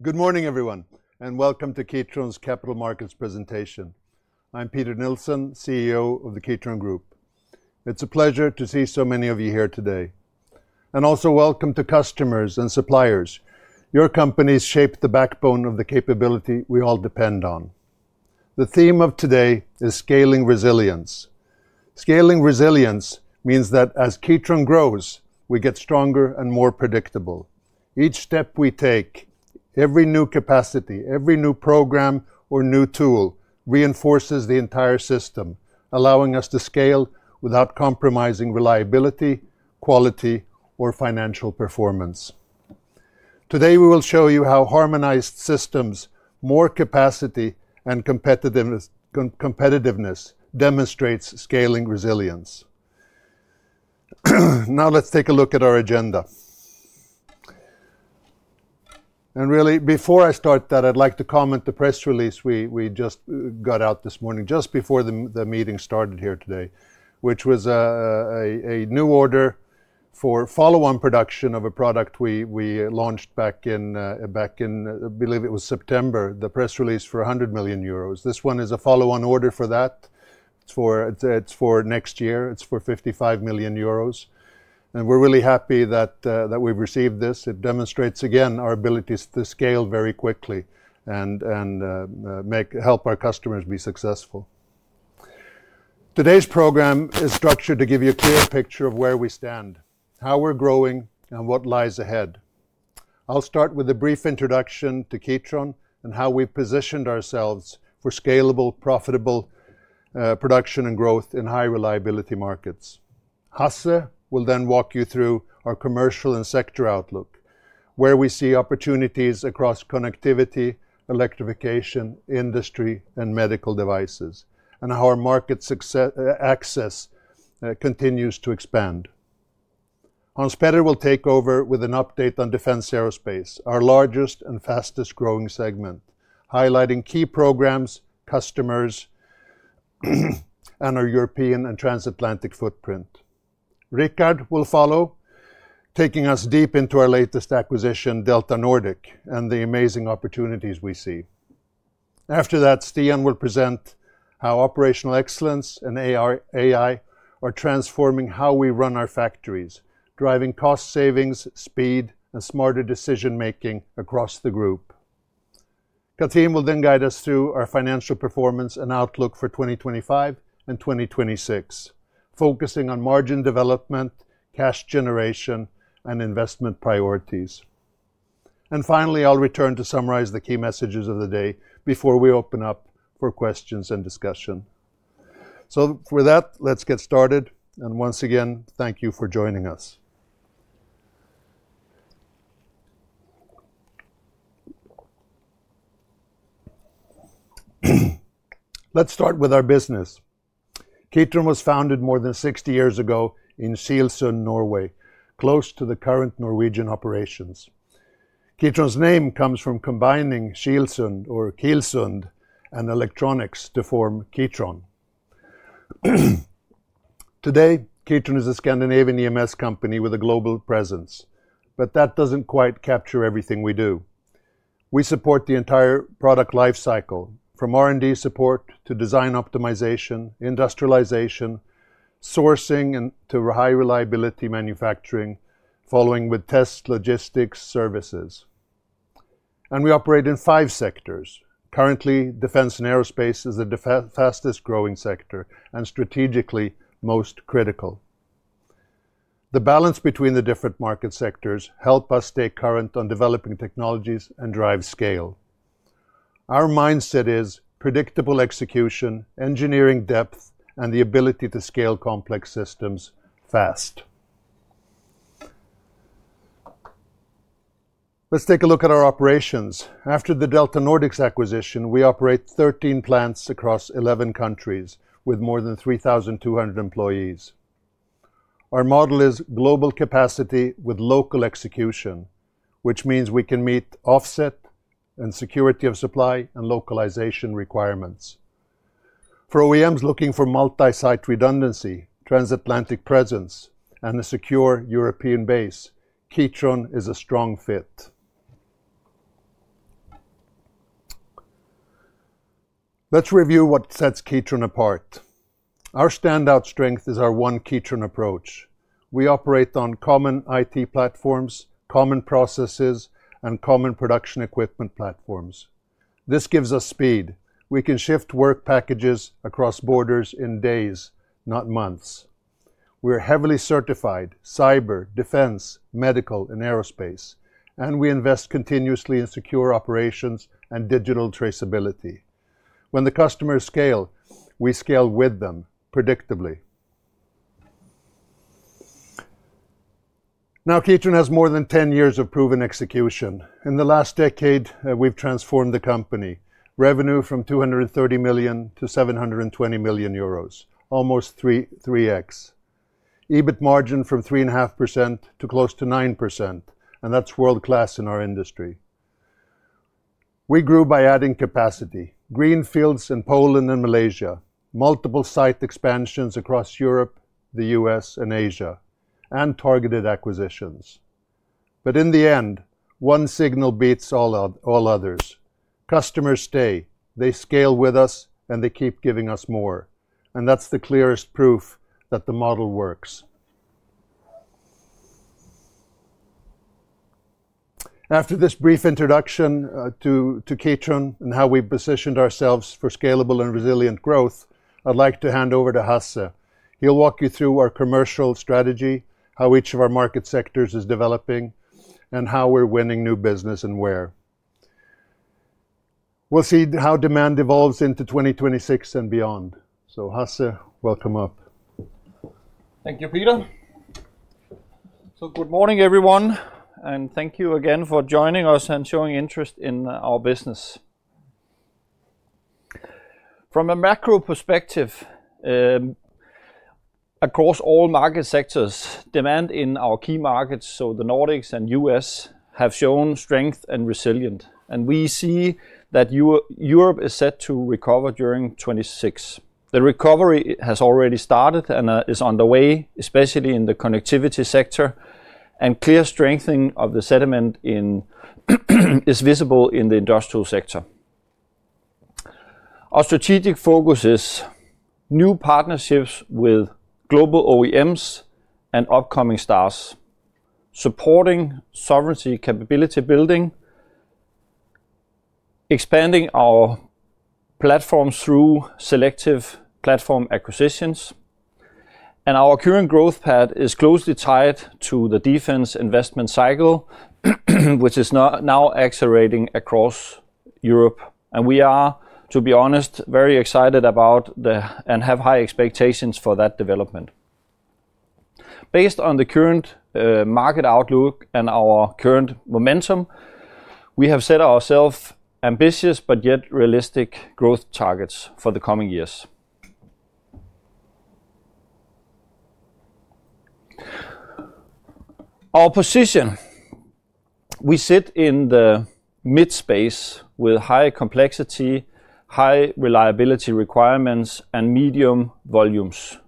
Good morning, everyone, and welcome to Kitron's Capital Markets Presentation. I'm Peter Nilsson, CEO of the Kitron Group. It's a pleasure to see so many of you here today, and also welcome to customers and suppliers. Your companies shape the backbone of the capability we all depend on. The theme of today is Scaling Resilience. Scaling Resilience means that as Kitron grows, we get stronger and more predictable. Each step we take, every new capacity, every new program or new tool, reinforces the entire system, allowing us to scale without compromising reliability, quality, or financial performance. Today we will show you how harmonized systems, more capacity, and competitiveness demonstrate Scaling Resilience. Now let's take a look at our agenda. And really, before I start that, I'd like to comment on the press release we just got out this morning, just before the meeting started here today, which was a new order for follow-on production of a product we launched back in, I believe it was September, the press release for 100 million euros. This one is a follow-on order for that. It's for next year. It's for 55 million euros. And we're really happy that we've received this. It demonstrates, again, our ability to scale very quickly and help our customers be successful. Today's program is structured to give you a clear picture of where we stand, how we're growing, and what lies ahead. I'll start with a brief introduction to Kitron and how we've positioned ourselves for scalable, profitable production and growth in high-reliability markets. Hasse will then walk you through our commercial and sector outlook, where we see opportunities across connectivity, electrification, industry, and medical devices, and how our market access continues to expand. Hans Petter will take over with an update on defense aerospace, our largest and fastest-growing segment, highlighting key programs, customers, and our European and transatlantic footprint. Rickard will follow, taking us deep into our latest acquisition, DeltaNordic, and the amazing opportunities we see. After that, Stian will present how operational excellence and AI are transforming how we run our factories, driving cost savings, speed, and smarter decision-making across the group. Cathrin will then guide us through our financial performance and outlook for 2025 and 2026, focusing on margin development, cash generation, and investment priorities. And finally, I'll return to summarize the key messages of the day before we open up for questions and discussion. So with that, let's get started. And once again, thank you for joining us. Let's start with our business. Kitron was founded more than 60 years ago in Kilsund, Norway, close to the current Norwegian operations. Kitron's name comes from combining Kilsund and electronics to form Kitron. Today, Kitron is a Scandinavian EMS company with a global presence, but that doesn't quite capture everything we do. We support the entire product lifecycle, from R&D support to design optimization, industrialization, sourcing, and to high-reliability manufacturing, following with test logistics services. And we operate in five sectors. Currently, defense and aerospace is the fastest-growing sector and strategically most critical. The balance between the different market sectors helps us stay current on developing technologies and drive scale. Our mindset is predictable execution, engineering depth, and the ability to scale complex systems fast. Let's take a look at our operations. After the DeltaNordic's acquisition, we operate 13 plants across 11 countries with more than 3,200 employees. Our model is global capacity with local execution, which means we can meet offset and security of supply and localization requirements. For OEMs looking for multi-site redundancy, transatlantic presence, and a secure European base, Kitron is a strong fit. Let's review what sets Kitron apart. Our standout strength is our One Kitron approach. We operate on common IT platforms, common processes, and common production equipment platforms. This gives us speed. We can shift work packages across borders in days, not months. We're heavily certified: cyber, defense, medical, and aerospace. And we invest continuously in secure operations and digital traceability. When the customers scale, we scale with them, predictably. Now, Kitron has more than 10 years of proven execution. In the last decade, we've transformed the company: revenue from 230 million to 720 million euros, almost 3x. EBIT margin from 3.5% to close to 9%, and that's world-class in our industry. We grew by adding capacity: greenfields in Poland and Malaysia, multiple site expansions across Europe, the U.S., and Asia, and targeted acquisitions, but in the end, one signal beats all others: customers stay, they scale with us, and they keep giving us more, and that's the clearest proof that the model works. After this brief introduction to Kitron and how we've positioned ourselves for scalable and resilient growth, I'd like to hand over to Hasse. He'll walk you through our commercial strategy, how each of our market sectors is developing, and how we're winning new business and where. We'll see how demand evolves into 2026 and beyond, so Hasse, welcome up. Thank you, Peter. So, good morning, everyone. And thank you again for joining us and showing interest in our business. From a macro perspective, across all market sectors, demand in our key markets, so the Nordics and U.S., have shown strength and resilience. And we see that Europe is set to recover during 2026. The recovery has already started and is underway, especially in the connectivity sector. And clear strengthening of the sentiment is visible in the industrial sector. Our strategic focus is new partnerships with global OEMs and upcoming stars, supporting sovereignty capability building, expanding our platforms through selective platform acquisitions. And our current growth path is closely tied to the defense investment cycle, which is now accelerating across Europe. And we are, to be honest, very excited about and have high expectations for that development. Based on the current market outlook and our current momentum, we have set ourselves ambitious but yet realistic growth targets for the coming years. Our position: we sit in the mid-space with high complexity, high reliability requirements, and medium volumes,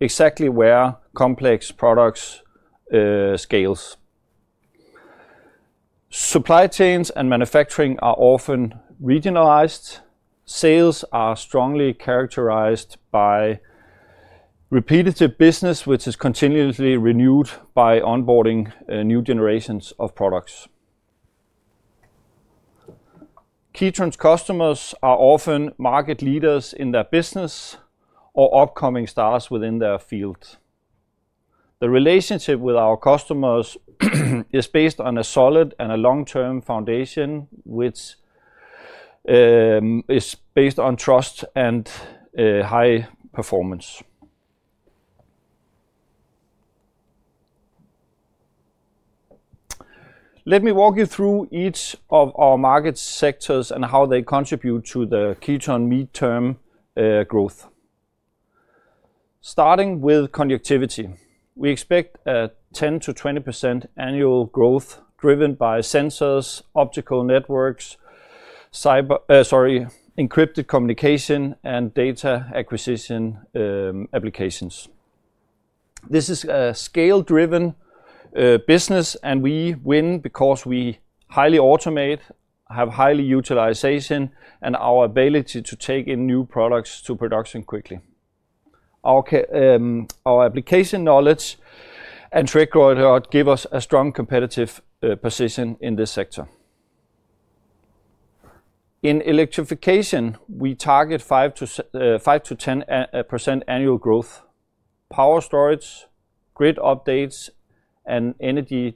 exactly where complex products scale. Supply chains and manufacturing are often regionalized. Sales are strongly characterized by repeated business, which is continuously renewed by onboarding new generations of products. Kitron's customers are often market leaders in their business or upcoming stars within their field. The relationship with our customers is based on a solid and a long-term foundation, which is based on trust and high performance. Let me walk you through each of our market sectors and how they contribute to the Kitron mid-term growth. Starting with connectivity, we expect a 10% to 20% annual growth driven by sensors, optical networks, encrypted communication, and data acquisition applications. This is a scale-driven business, and we win because we highly automate, have high utilization, and our ability to take in new products to production quickly. Our application knowledge and track record give us a strong competitive position in this sector. In electrification, we target 5% to 10% annual growth. Power storage, grid updates, and energy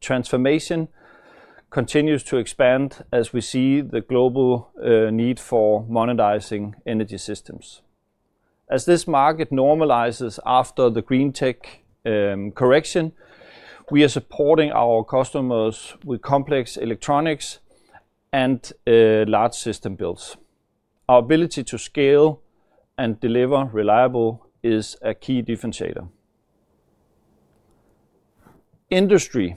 transformation continue to expand as we see the global need for modernizing energy systems. As this market normalizes after the green tech correction, we are supporting our customers with complex electronics and large system builds. Our ability to scale and deliver reliably is a key differentiator. Industry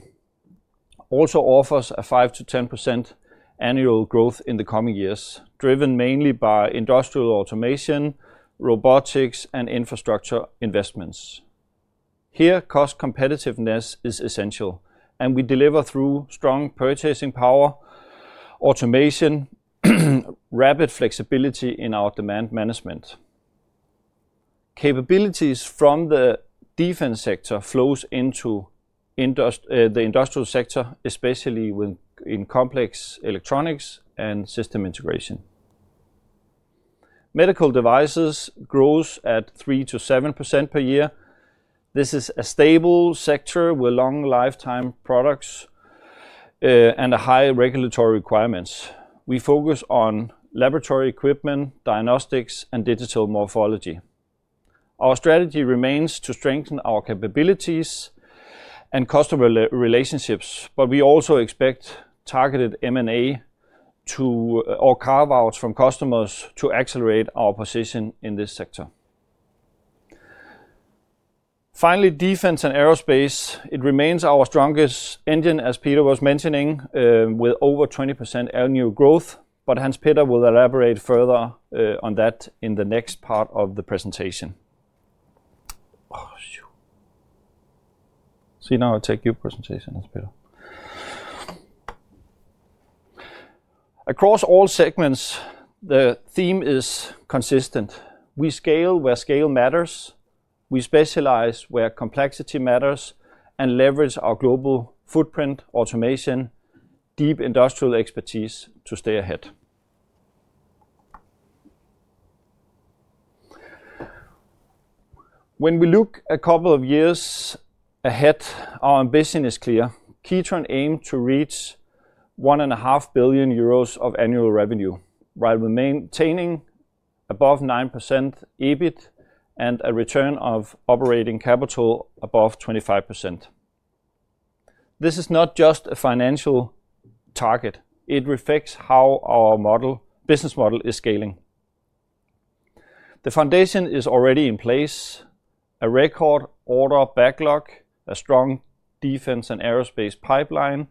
also offers a 5%-10% annual growth in the coming years, driven mainly by industrial automation, robotics, and infrastructure investments. Here, cost competitiveness is essential, and we deliver through strong purchasing power, automation, and rapid flexibility in our demand management. Capabilities from the defense sector flow into the industrial sector, especially in complex electronics and system integration. Medical devices grow at 3% to 7% per year. This is a stable sector with long lifetime products and high regulatory requirements. We focus on laboratory equipment, diagnostics, and digital morphology. Our strategy remains to strengthen our capabilities and customer relationships, but we also expect targeted M&A or carve-outs from customers to accelerate our position in this sector. Finally, defense and aerospace, it remains our strongest engine, as Peter was mentioning, with over 20% annual growth. But Hans Petter will elaborate further on that in the next part of the presentation. So now I'll take your presentation, Hans Petter. Across all segments, the theme is consistent. We scale where scale matters. We specialize where complexity matters and leverage our global footprint, automation, and deep industrial expertise to stay ahead. When we look a couple of years ahead, our ambition is clear. Kitron aims to reach 1.5 billion euros of annual revenue while maintaining above 9% EBIT and a return on operating capital above 25%. This is not just a financial target. It reflects how our business model is scaling. The foundation is already in place: a record order backlog, a strong defense and aerospace pipeline,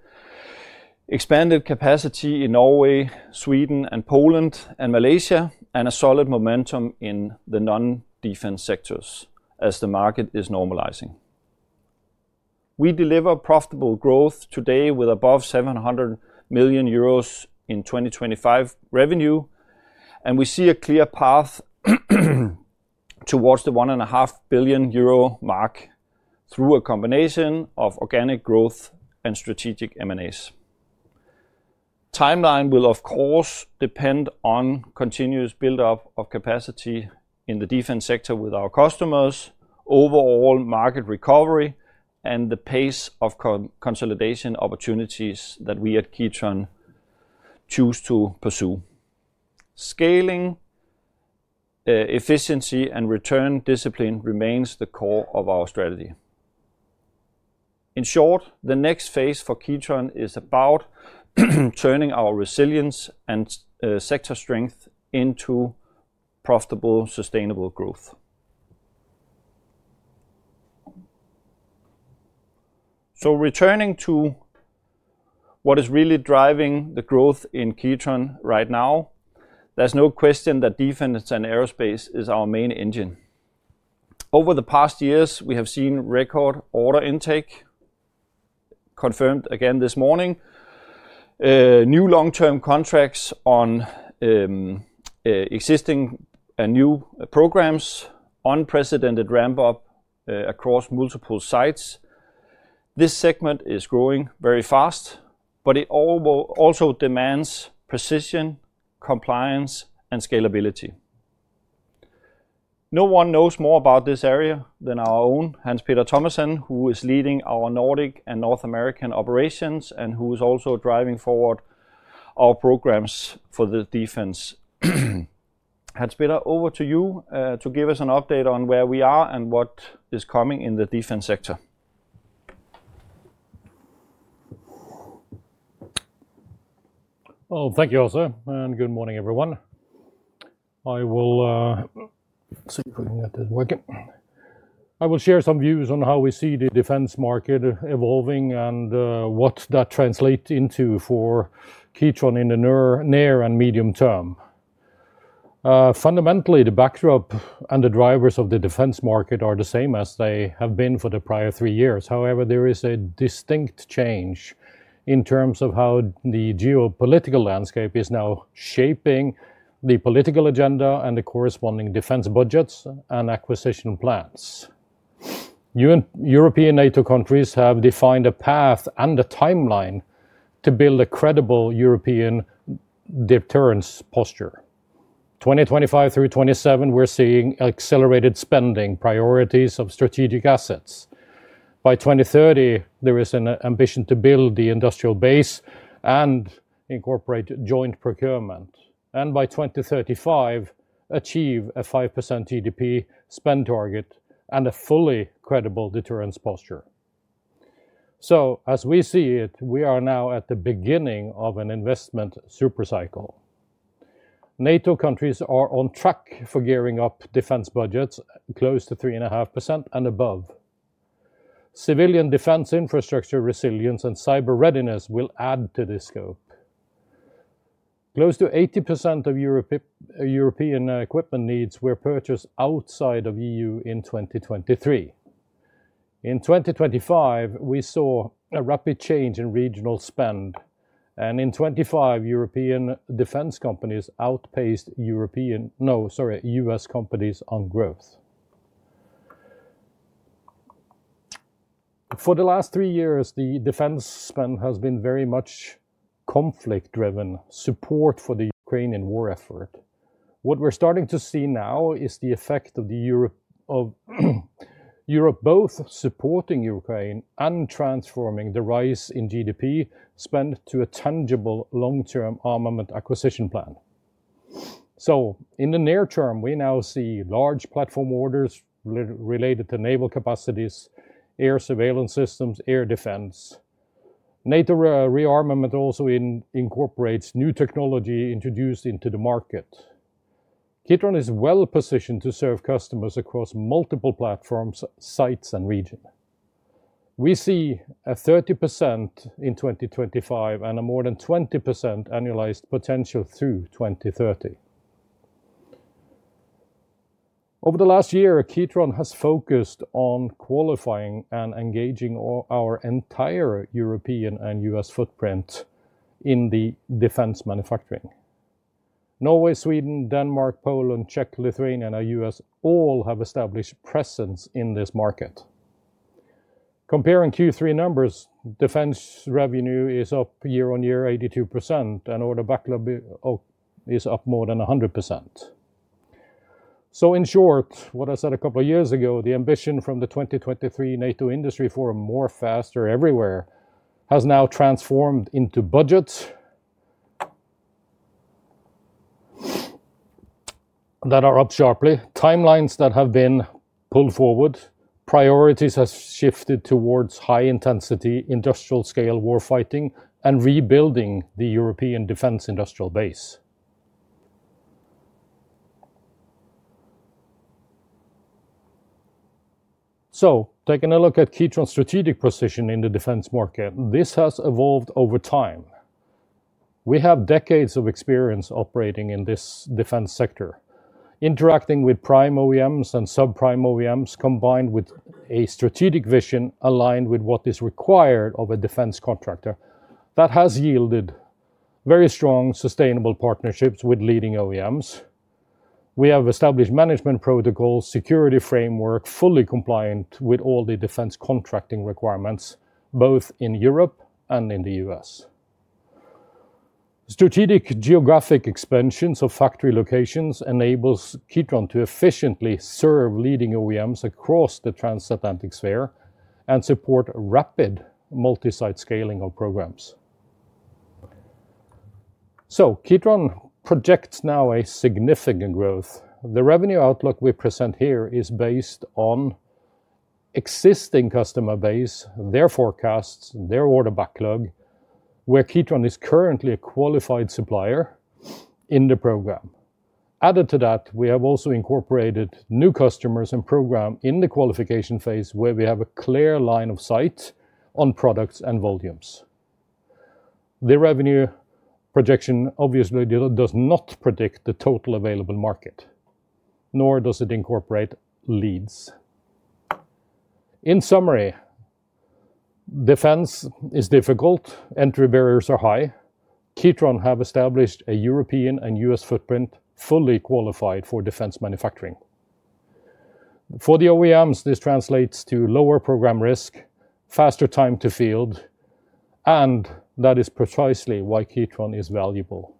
expanded capacity in Norway, Sweden, Poland, and Malaysia, and a solid momentum in the non-defense sectors as the market is normalizing. We deliver profitable growth today with above 700 million euros in 2025 revenue, and we see a clear path towards the 1.5 billion euro mark through a combination of organic growth and strategic M&As. Timeline will, of course, depend on continuous build-up of capacity in the defense sector with our customers, overall market recovery, and the pace of consolidation opportunities that we at Kitron choose to pursue. Scaling, efficiency, and return discipline remain the core of our strategy. In short, the next phase for Kitron is about turning our resilience and sector strength into profitable, sustainable growth. So returning to what is really driving the growth in Kitron right now, there's no question that defense and aerospace is our main engine. Over the past years, we have seen record order intake, confirmed again this morning, new long-term contracts on existing and new programs, unprecedented ramp-up across multiple sites. This segment is growing very fast, but it also demands precision, compliance, and scalability. No one knows more about this area than our own Hans Petter Thomassen, who is leading our Nordic and North American operations and who is also driving forward our programs for the defense. Hans Petter, over to you to give us an update on where we are and what is coming in the defense sector. Oh, thank you, Hasse. And good morning, everyone. I will see if I can get this working. I will share some views on how we see the defense market evolving and what that translates into for Kitron in the near and medium term. Fundamentally, the backdrop and the drivers of the defense market are the same as they have been for the prior three years. However, there is a distinct change in terms of how the geopolitical landscape is now shaping the political agenda and the corresponding defense budgets and acquisition plans. European NATO countries have defined a path and a timeline to build a credible European deterrence posture. 2025 through 2027, we're seeing accelerated spending priorities of strategic assets. By 2030, there is an ambition to build the industrial base and incorporate joint procurement. And by 2035, achieve a 5% GDP spend target and a fully credible deterrence posture. So as we see it, we are now at the beginning of an investment supercycle. NATO countries are on track for gearing up defense budgets close to 3.5% and above. Civilian defense infrastructure resilience and cyber readiness will add to this scope. Close to 80% of European equipment needs were purchased outside of the EU in 2023. In 2025, we saw a rapid change in regional spend. And in 2025, European defense companies outpaced European - no, sorry, U.S. companies on growth. For the last three years, the defense spend has been very much conflict-driven support for the Ukrainian war effort. What we're starting to see now is the effect of Europe both supporting Ukraine and transforming the rise in GDP spend to a tangible long-term armament acquisition plan. So in the near term, we now see large platform orders related to naval capacities, air surveillance systems, air defense. NATO rearmament also incorporates new technology introduced into the market. Kitron is well positioned to serve customers across multiple platforms, sites, and regions. We see a 30% in 2025 and a more than 20% annualized potential through 2030. Over the last year, Kitron has focused on qualifying and engaging our entire European and U.S. footprint in the defense manufacturing. Norway, Sweden, Denmark, Poland, Czech Republic, Lithuania, and the U.S. all have established presence in this market. Comparing Q3 numbers, defense revenue is up year on year 82%, and order backlog is up more than 100%. So in short, what I said a couple of years ago, the ambition from the 2023 NATO Industry Forum, More Faster Everywhere, has now transformed into budgets that are up sharply. Timelines that have been pulled forward. Priorities have shifted towards high-intensity industrial scale warfighting and rebuilding the European defense industrial base. So taking a look at Kitron's strategic position in the defense market, this has evolved over time. We have decades of experience operating in this defense sector, interacting with prime OEMs and sub-prime OEMs, combined with a strategic vision aligned with what is required of a defense contractor that has yielded very strong sustainable partnerships with leading OEMs. We have established management protocols, security framework, fully compliant with all the defense contracting requirements, both in Europe and in the U.S. Strategic geographic expansions of factory locations enable Kitron to efficiently serve leading OEMs across the transatlantic sphere and support rapid multi-site scaling of programs. So Kitron projects now a significant growth. The revenue outlook we present here is based on existing customer base, their forecasts, their order backlog, where Kitron is currently a qualified supplier in the program. Added to that, we have also incorporated new customers in the program in the qualification phase, where we have a clear line of sight on products and volumes. The revenue projection obviously does not predict the total available market, nor does it incorporate leads. In summary, defense is difficult. Entry barriers are high. Kitron has established a European and U.S. footprint fully qualified for defense manufacturing. For the OEMs, this translates to lower program risk, faster time to field, and that is precisely why Kitron is valuable.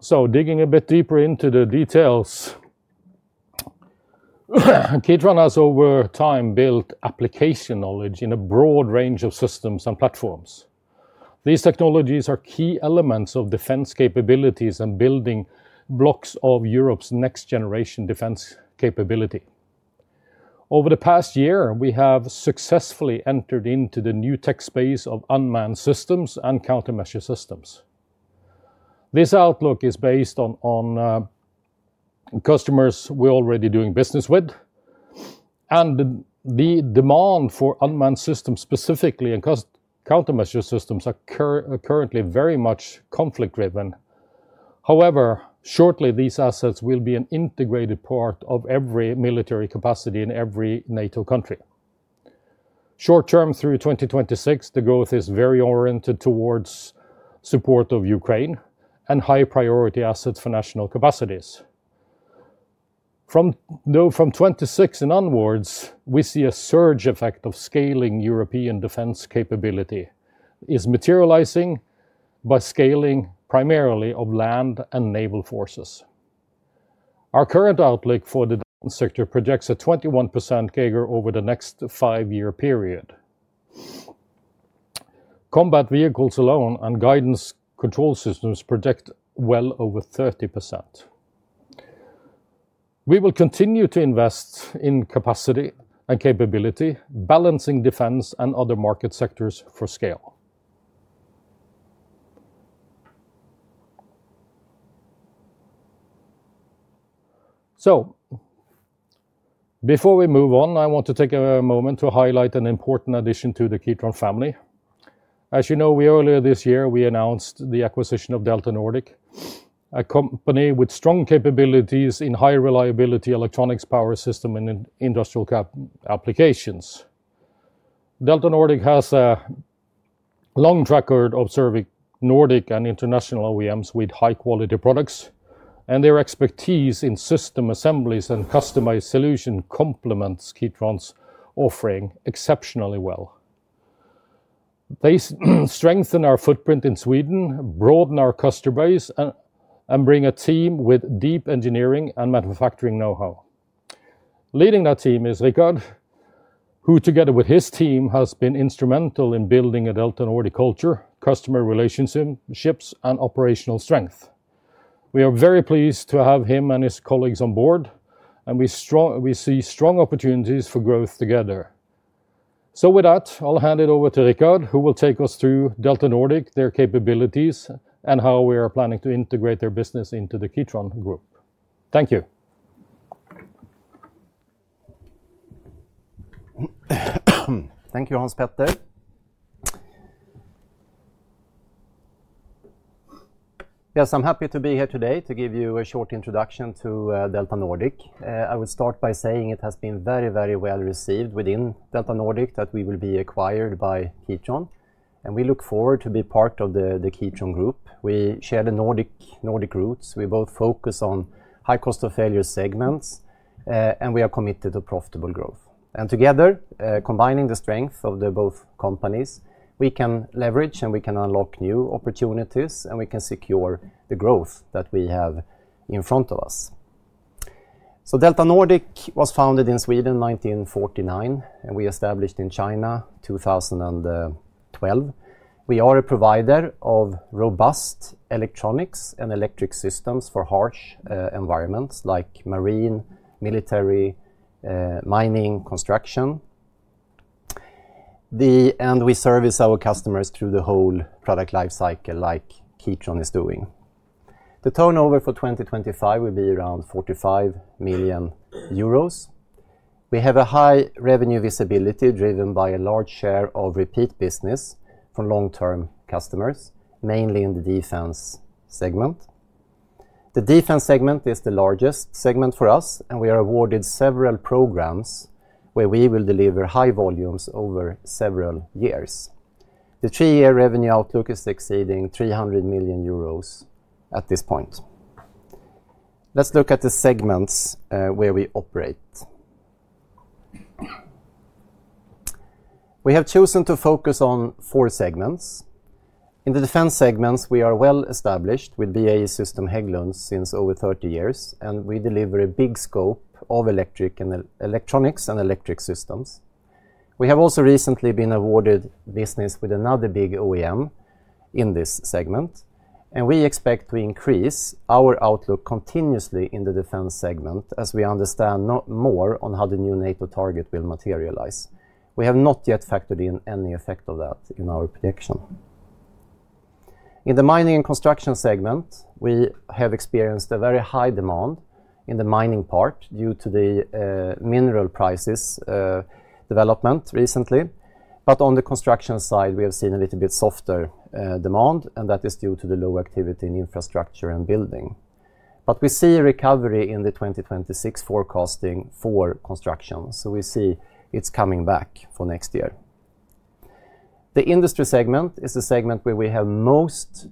So digging a bit deeper into the details, Kitron has over time built application knowledge in a broad range of systems and platforms. These technologies are key elements of defense capabilities and building blocks of Europe's next-generation defense capability. Over the past year, we have successfully entered into the new tech space of unmanned systems and countermeasure systems. This outlook is based on customers we're already doing business with, and the demand for unmanned systems specifically and countermeasure systems are currently very much conflict-driven. However, shortly, these assets will be an integrated part of every military capacity in every NATO country. Short term, through 2026, the growth is very oriented towards support of Ukraine and high-priority assets for national capacities. From 2026 and onwards, we see a surge effect of scaling European defense capability is materializing by scaling primarily of land and naval forces. Our current outlook for the defense sector projects a 21% CAGR over the next five-year period. Combat vehicles alone and guidance control systems project well over 30%. We will continue to invest in capacity and capability, balancing defense and other market sectors for scale. So before we move on, I want to take a moment to highlight an important addition to the Kitron family. As you know, earlier this year, we announced the acquisition of DeltaNordic, a company with strong capabilities in high-reliability electronics power system and industrial applications. DeltaNordic has a long track record of serving Nordic and international OEMs with high-quality products, and their expertise in system assemblies and customized solutions complements Kitron's offering exceptionally well. They strengthen our footprint in Sweden, broaden our customer base, and bring a team with deep engineering and manufacturing know-how. Leading that team is Rickard, who together with his team has been instrumental in building a DeltaNordic culture, customer relationships, and operational strength. We are very pleased to have him and his colleagues on board, and we see strong opportunities for growth together. So with that, I'll hand it over to Rickard, who will take us through DeltaNordic, their capabilities, and how we are planning to integrate their business into the Kitron Group. Thank you. Thank you, Hans Petter. Yes, I'm happy to be here today to give you a short introduction to DeltaNordic. I will start by saying it has been very, very well received within DeltaNordic that we will be acquired by Kitron, and we look forward to being part of the Kitron group. We share the Nordic roots. We both focus on high cost of failure segments, and we are committed to profitable growth, and together, combining the strength of both companies, we can leverage and we can unlock new opportunities, and we can secure the growth that we have in front of us, so DeltaNordic was founded in Sweden in 1949, and we established in China in 2012. We are a provider of robust electronics and electric systems for harsh environments like marine, military, mining, construction, and we service our customers through the whole product lifecycle like Kitron is doing. The turnover for 2025 will be around 45 million euros. We have a high revenue visibility driven by a large share of repeat business from long-term customers, mainly in the defense segment. The defense segment is the largest segment for us, and we are awarded several programs where we will deliver high volumes over several years. The three-year revenue outlook is exceeding 300 million euros at this point. Let's look at the segments where we operate. We have chosen to focus on four segments. In the defense segments, we are well established with BAE Systems Hägglunds since over 30 years, and we deliver a big scope of electronics and electric systems. We have also recently been awarded business with another big OEM in this segment, and we expect to increase our outlook continuously in the defense segment as we understand more on how the new NATO target will materialize. We have not yet factored in any effect of that in our prediction. In the mining and construction segment, we have experienced a very high demand in the mining part due to the mineral prices development recently. But on the construction side, we have seen a little bit softer demand, and that is due to the low activity in infrastructure and building. But we see a recovery in the 2026 forecasting for construction, so we see it's coming back for next year. The industry segment is the segment where we have most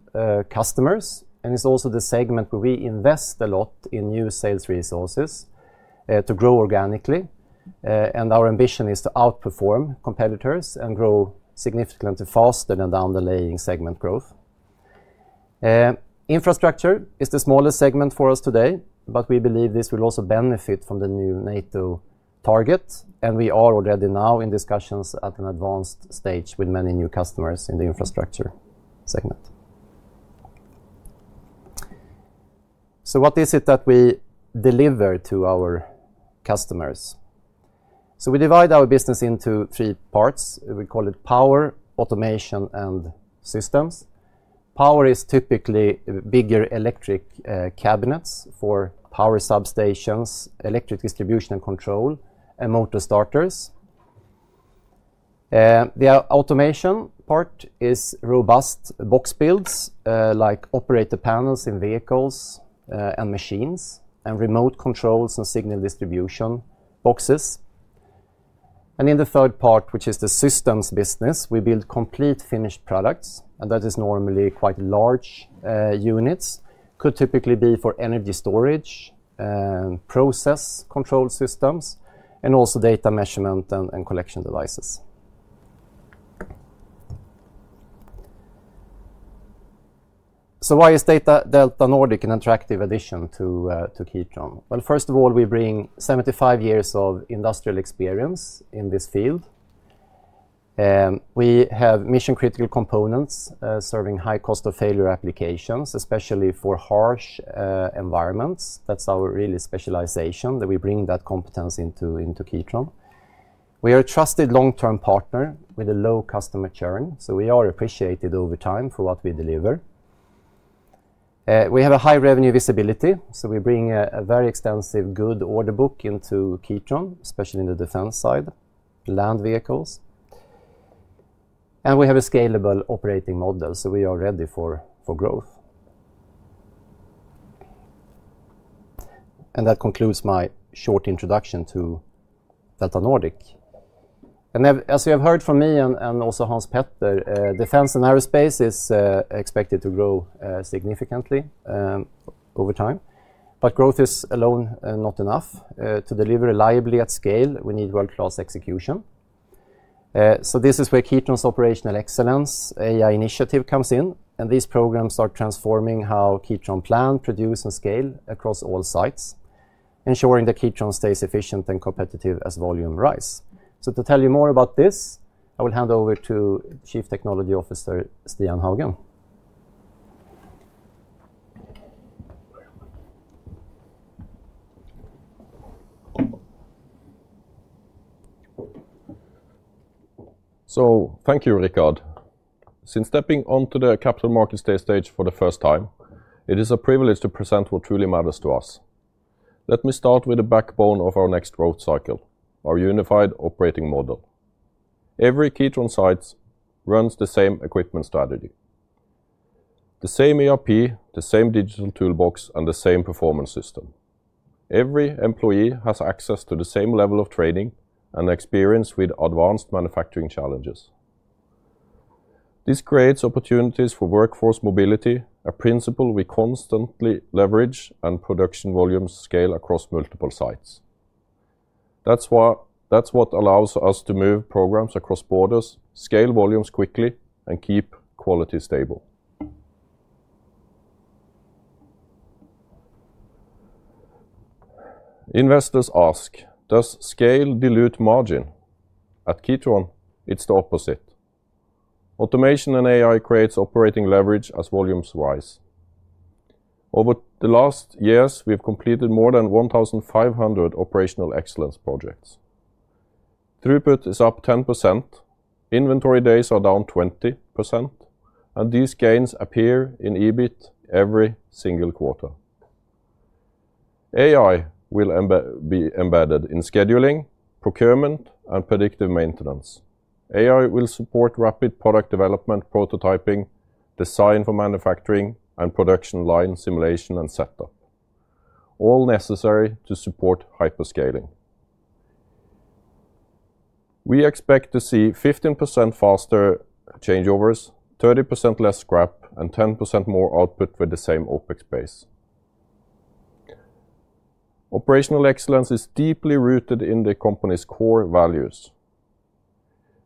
customers, and it's also the segment where we invest a lot in new sales resources to grow organically. And our ambition is to outperform competitors and grow significantly faster than the underlying segment growth. Infrastructure is the smallest segment for us today, but we believe this will also benefit from the new NATO target, and we are already now in discussions at an advanced stage with many new customers in the infrastructure segment. So what is it that we deliver to our customers? So we divide our business into three parts. We call it power, automation, and systems. Power is typically bigger electric cabinets for power substations, electric distribution and control, and motor starters. The automation part is robust box builds like operator panels in vehicles and machines and remote controls and signal distribution boxes. And in the third part, which is the systems business, we build complete finished products, and that is normally quite large units. It could typically be for energy storage, process control systems, and also data measurement and collection devices. So why is Delta Nordic an attractive addition to Kitron? Well, first of all, we bring 75 years of industrial experience in this field. We have mission-critical components serving high cost of failure applications, especially for harsh environments. That's our really specialization that we bring that competence into Kitron. We are a trusted long-term partner with a low customer churn, so we are appreciated over time for what we deliver. We have a high revenue visibility, so we bring a very extensive good order book into Kitron, especially in the defense side, land vehicles. And that concludes my short introduction to DeltaNordic. As you have heard from me and also Hans Petter, defense and aerospace is expected to grow significantly over time. But growth is alone not enough to deliver reliably at scale. We need world-class execution. So this is where Kitron's operational excellence AI initiative comes in, and these programs start transforming how Kitron plans, produces, and scales across all sites, ensuring that Kitron stays efficient and competitive as volumes rise. So to tell you more about this, I will hand over to Chief Technology Officer Stian Haugen. So thank you, Rickard. Since stepping onto the capital markets stage for the first time, it is a privilege to present what truly matters to us. Let me start with the backbone of our next growth cycle, our unified operating model. Every Kitron site runs the same equipment strategy, the same ERP, the same digital toolbox, and the same performance system. Every employee has access to the same level of training and experience with advanced manufacturing challenges. This creates opportunities for workforce mobility, a principle we constantly leverage and production volumes scale across multiple sites. That's what allows us to move programs across borders, scale volumes quickly, and keep quality stable. Investors ask, does scale dilute margin? At Kitron, it's the opposite. Automation and AI create operating leverage as volumes rise. Over the last years, we've completed more than 1,500 operational excellence projects. Throughput is up 10%. Inventory days are down 20%, and these gains appear in EBIT every single quarter. AI will be embedded in scheduling, procurement, and predictive maintenance. AI will support rapid product development, prototyping, design for manufacturing, and production line simulation and setup, all necessary to support hyperscaling. We expect to see 15% faster changeovers, 30% less scrap, and 10% more output for the same OpEx base. Operational excellence is deeply rooted in the company's core values.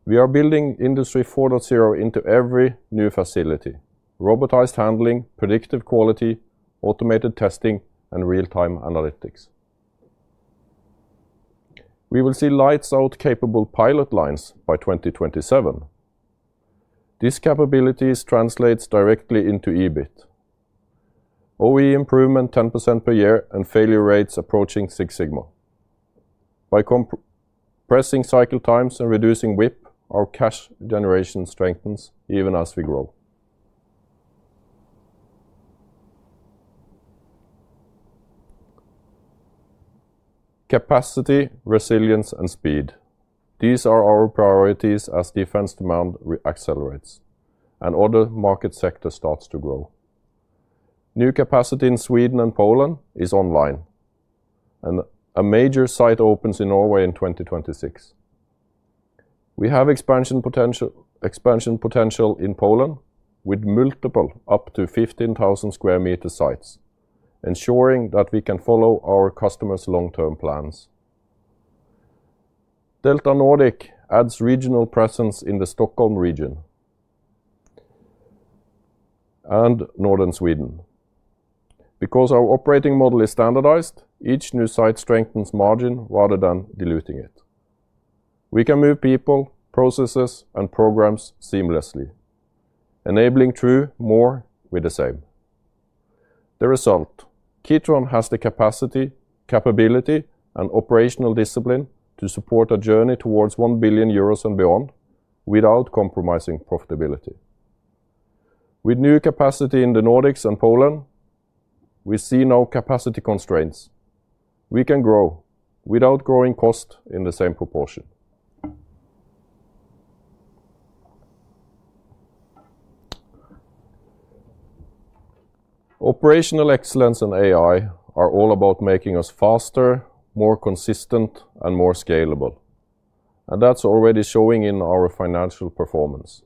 We are building Industry 4.0 into every new facility: robotized handling, predictive quality, automated testing, and real-time analytics. We will see lights-out-capable pilot lines by 2027. This capability translates directly into EBIT. OEE improvement 10% per year and failure rates approaching Six Sigma. By compressing cycle times and reducing WIP, our cash generation strengthens even as we grow. Capacity, resilience, and speed. These are our priorities as defense demand accelerates and other market sectors start to grow. New capacity in Sweden and Poland is online, and a major site opens in Norway in 2026. We have expansion potential in Poland with multiple up to 15,000 square meter sites, ensuring that we can follow our customers' long-term plans. DeltaNordic adds regional presence in the Stockholm region and northern Sweden. Because our operating model is standardized, each new site strengthens margin rather than diluting it. We can move people, processes, and programs seamlessly, enabling true more with the same. The result: Kitron has the capacity, capability, and operational discipline to support a journey towards 1 billion euros and beyond without compromising profitability. With new capacity in the Nordics and Poland, we see no capacity constraints. We can grow without growing costs in the same proportion. Operational excellence and AI are all about making us faster, more consistent, and more scalable, and that's already showing in our financial performance.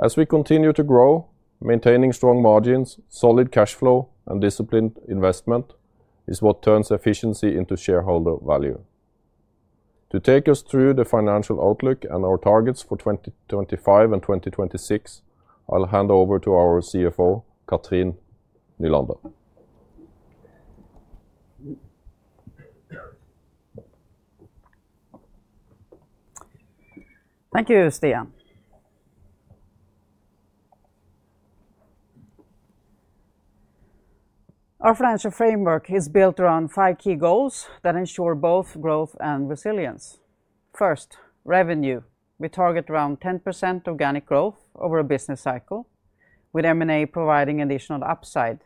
As we continue to grow, maintaining strong margins, solid cash flow, and disciplined investment is what turns efficiency into shareholder value. To take us through the financial outlook and our targets for 2025 and 2026, I'll hand over to our CFO, Cathrin Nylander. Thank you, Stian. Our financial framework is built around five key goals that ensure both growth and resilience. First, revenue. We target around 10% organic growth over a business cycle, with M&A providing additional upside.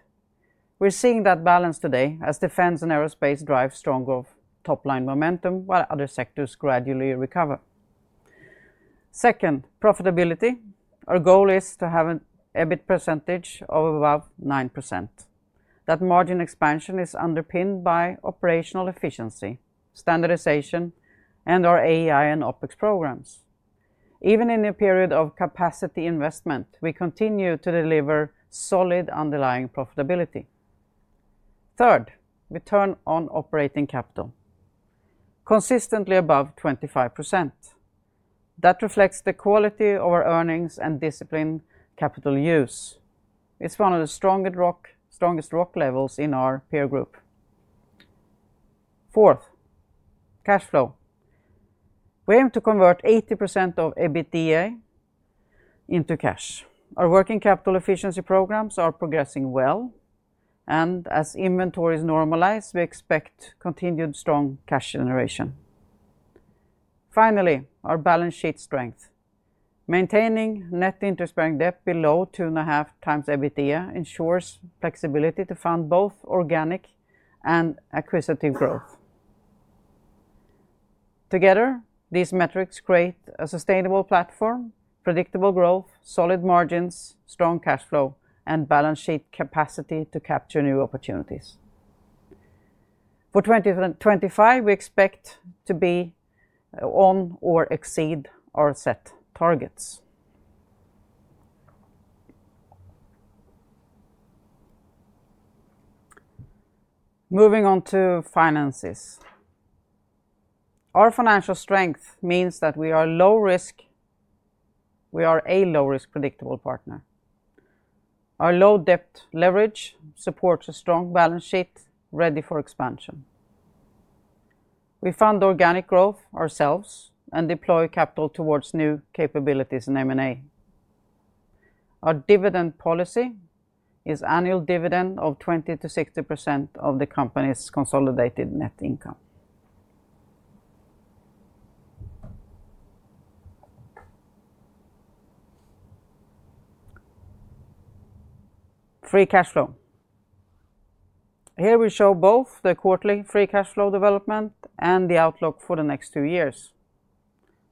We're seeing that balance today as defense and aerospace drive strong growth, top-line momentum, while other sectors gradually recover. Second, profitability. Our goal is to have an EBIT percentage of above 9%. That margin expansion is underpinned by operational efficiency, standardization, and our AI and OpEx programs. Even in a period of capacity investment, we continue to deliver solid underlying profitability. Third, return on operating capital. Consistently above 25%. That reflects the quality of our earnings and disciplined capital use. It's one of the strongest ROOC levels in our peer group. Fourth, cash flow. We aim to convert 80% of EBITDA into cash. Our working capital efficiency programs are progressing well, and as inventories normalize, we expect continued strong cash generation. Finally, our balance sheet strength. Maintaining net interest bearing debt below 2.5x EBITDA ensures flexibility to fund both organic and acquisitive growth. Together, these metrics create a sustainable platform, predictable growth, solid margins, strong cash flow, and balance sheet capacity to capture new opportunities. For 2025, we expect to be on or exceed our set targets. Moving on to finances. Our financial strength means that we are low risk. We are a low risk predictable partner. Our low debt leverage supports a strong balance sheet ready for expansion. We fund organic growth ourselves and deploy capital towards new capabilities in M&A. Our dividend policy is annual dividend of 20% to 60% of the company's consolidated net income. Free Cash Flow. Here we show both the quarterly free cash flow development and the outlook for the next two years.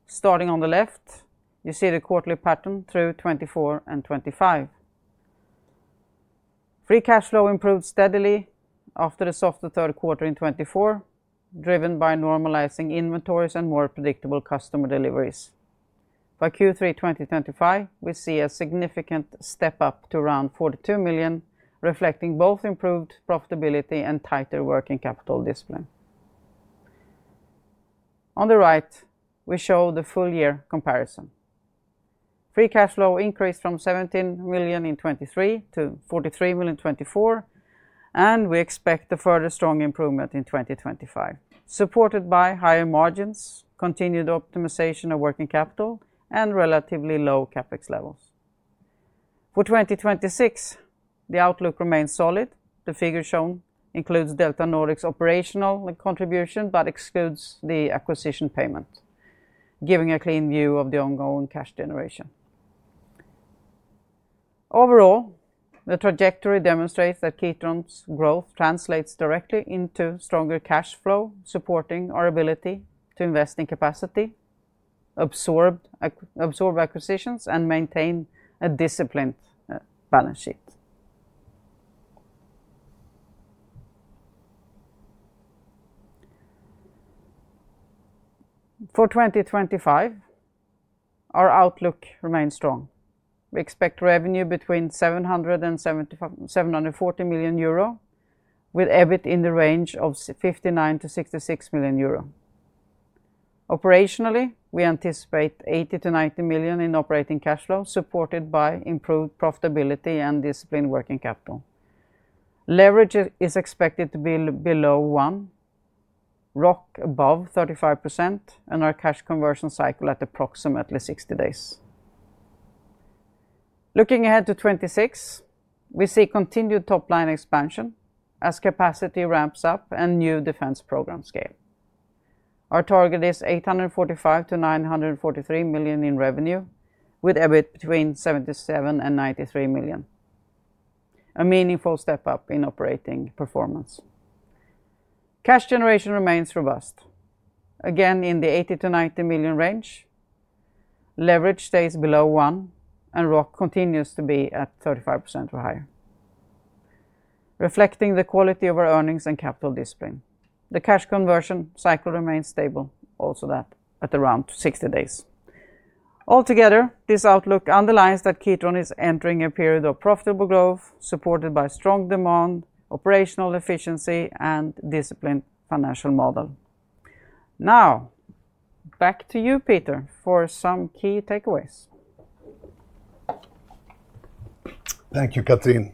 Starting on the left, you see the quarterly pattern through 2024 and 2025. Free cash flow improved steadily after the soft third quarter in 2024, driven by normalizing inventories and more predictable customer deliveries. By Q3 2025, we see a significant step up to around 42 million, reflecting both improved profitability and tighter working capital discipline. On the right, we show the full year comparison. Free cash flow increased from 17 million in 2023 to 43 million in 2024, and we expect a further strong improvement in 2025, supported by higher margins, continued optimization of working capital, and relatively low CapEx levels. For 2026, the outlook remains solid. The figure shown includes DeltaNordic's operational contribution but excludes the acquisition payment, giving a clean view of the ongoing cash generation. Overall, the trajectory demonstrates that Kitron's growth translates directly into stronger cash flow, supporting our ability to invest in capacity, absorb acquisitions, and maintain a disciplined balance sheet. For 2025, our outlook remains strong. We expect revenue between 700 million and 740 million euro, with EBIT in the range of 59 million to 66 million euro. Operationally, we anticipate 80 million to 90 million in operating cash flow, supported by improved profitability and disciplined working capital. Leverage is expected to be below one, ROOC above 35%, and our cash conversion cycle at approximately 60 days. Looking ahead to 2026, we see continued top-line expansion as capacity ramps up and new defense programs scale. Our target is 845 million to 943 million in revenue, with EBIT between 77 million and 93 million, a meaningful step up in operating performance. Cash generation remains robust, again in the 80 million to 90 million range. Leverage stays below one, and ROOC continues to be at 35% or higher, reflecting the quality of our earnings and capital discipline. The cash conversion cycle remains stable, also that at around 60 days. Altogether, this outlook underlines that Kitron is entering a period of profitable growth, supported by strong demand, operational efficiency, and disciplined financial model. Now, back to you, Peter, for some key takeaways. Thank you, Cathrin.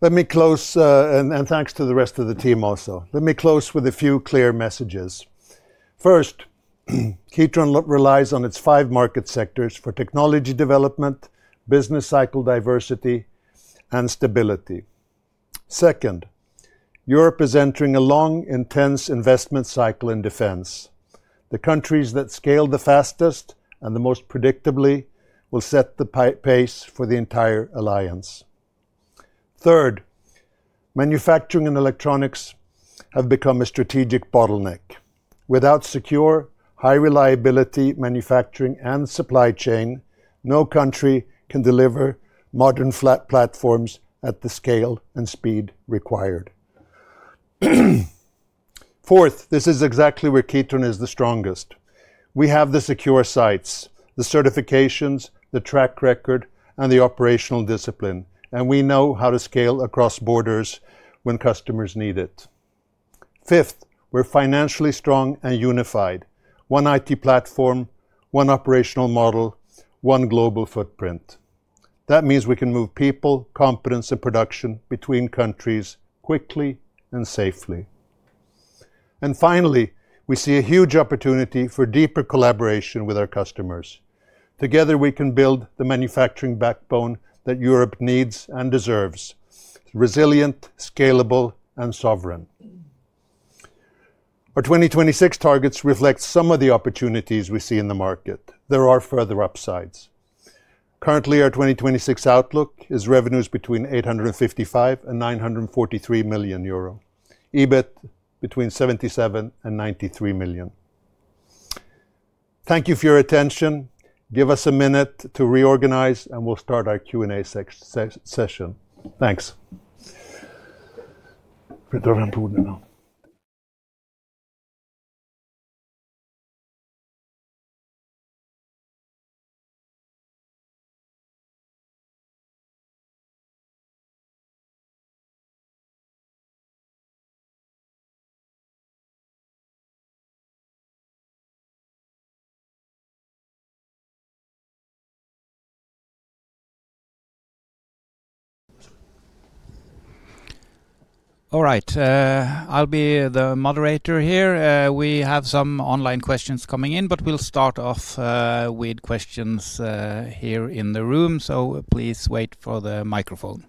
Let me close, and thanks to the rest of the team also. Let me close with a few clear messages. First, Kitron relies on its five market sectors for technology development, business cycle diversity, and stability. Second, Europe is entering a long, intense investment cycle in defense. The countries that scale the fastest and the most predictably will set the pace for the entire alliance. Third, manufacturing and electronics have become a strategic bottleneck. Without secure, high-reliability manufacturing and supply chain, no country can deliver modern fleet platforms at the scale and speed required. Fourth, this is exactly where Kitron is the strongest. We have the secure sites, the certifications, the track record, and the operational discipline, and we know how to scale across borders when customers need it. Fifth, we're financially strong and unified. One IT platform, one operational model, one global footprint. That means we can move people, competence, and production between countries quickly and safely. And finally, we see a huge opportunity for deeper collaboration with our customers. Together, we can build the manufacturing backbone that Europe needs and deserves: resilient, scalable, and sovereign. Our 2026 targets reflect some of the opportunities we see in the market. There are further upsides. Currently, our 2026 outlook is revenues between 855 million and 943 million euro, EBIT between 77 million and 93 million. Thank you for your attention. Give us a minute to reorganize, and we'll start our Q&A session. Thanks. Företagarens bord nu. All right, I'll be the moderator here. We have some online questions coming in, but we'll start off with questions here in the room, so please wait for the microphone.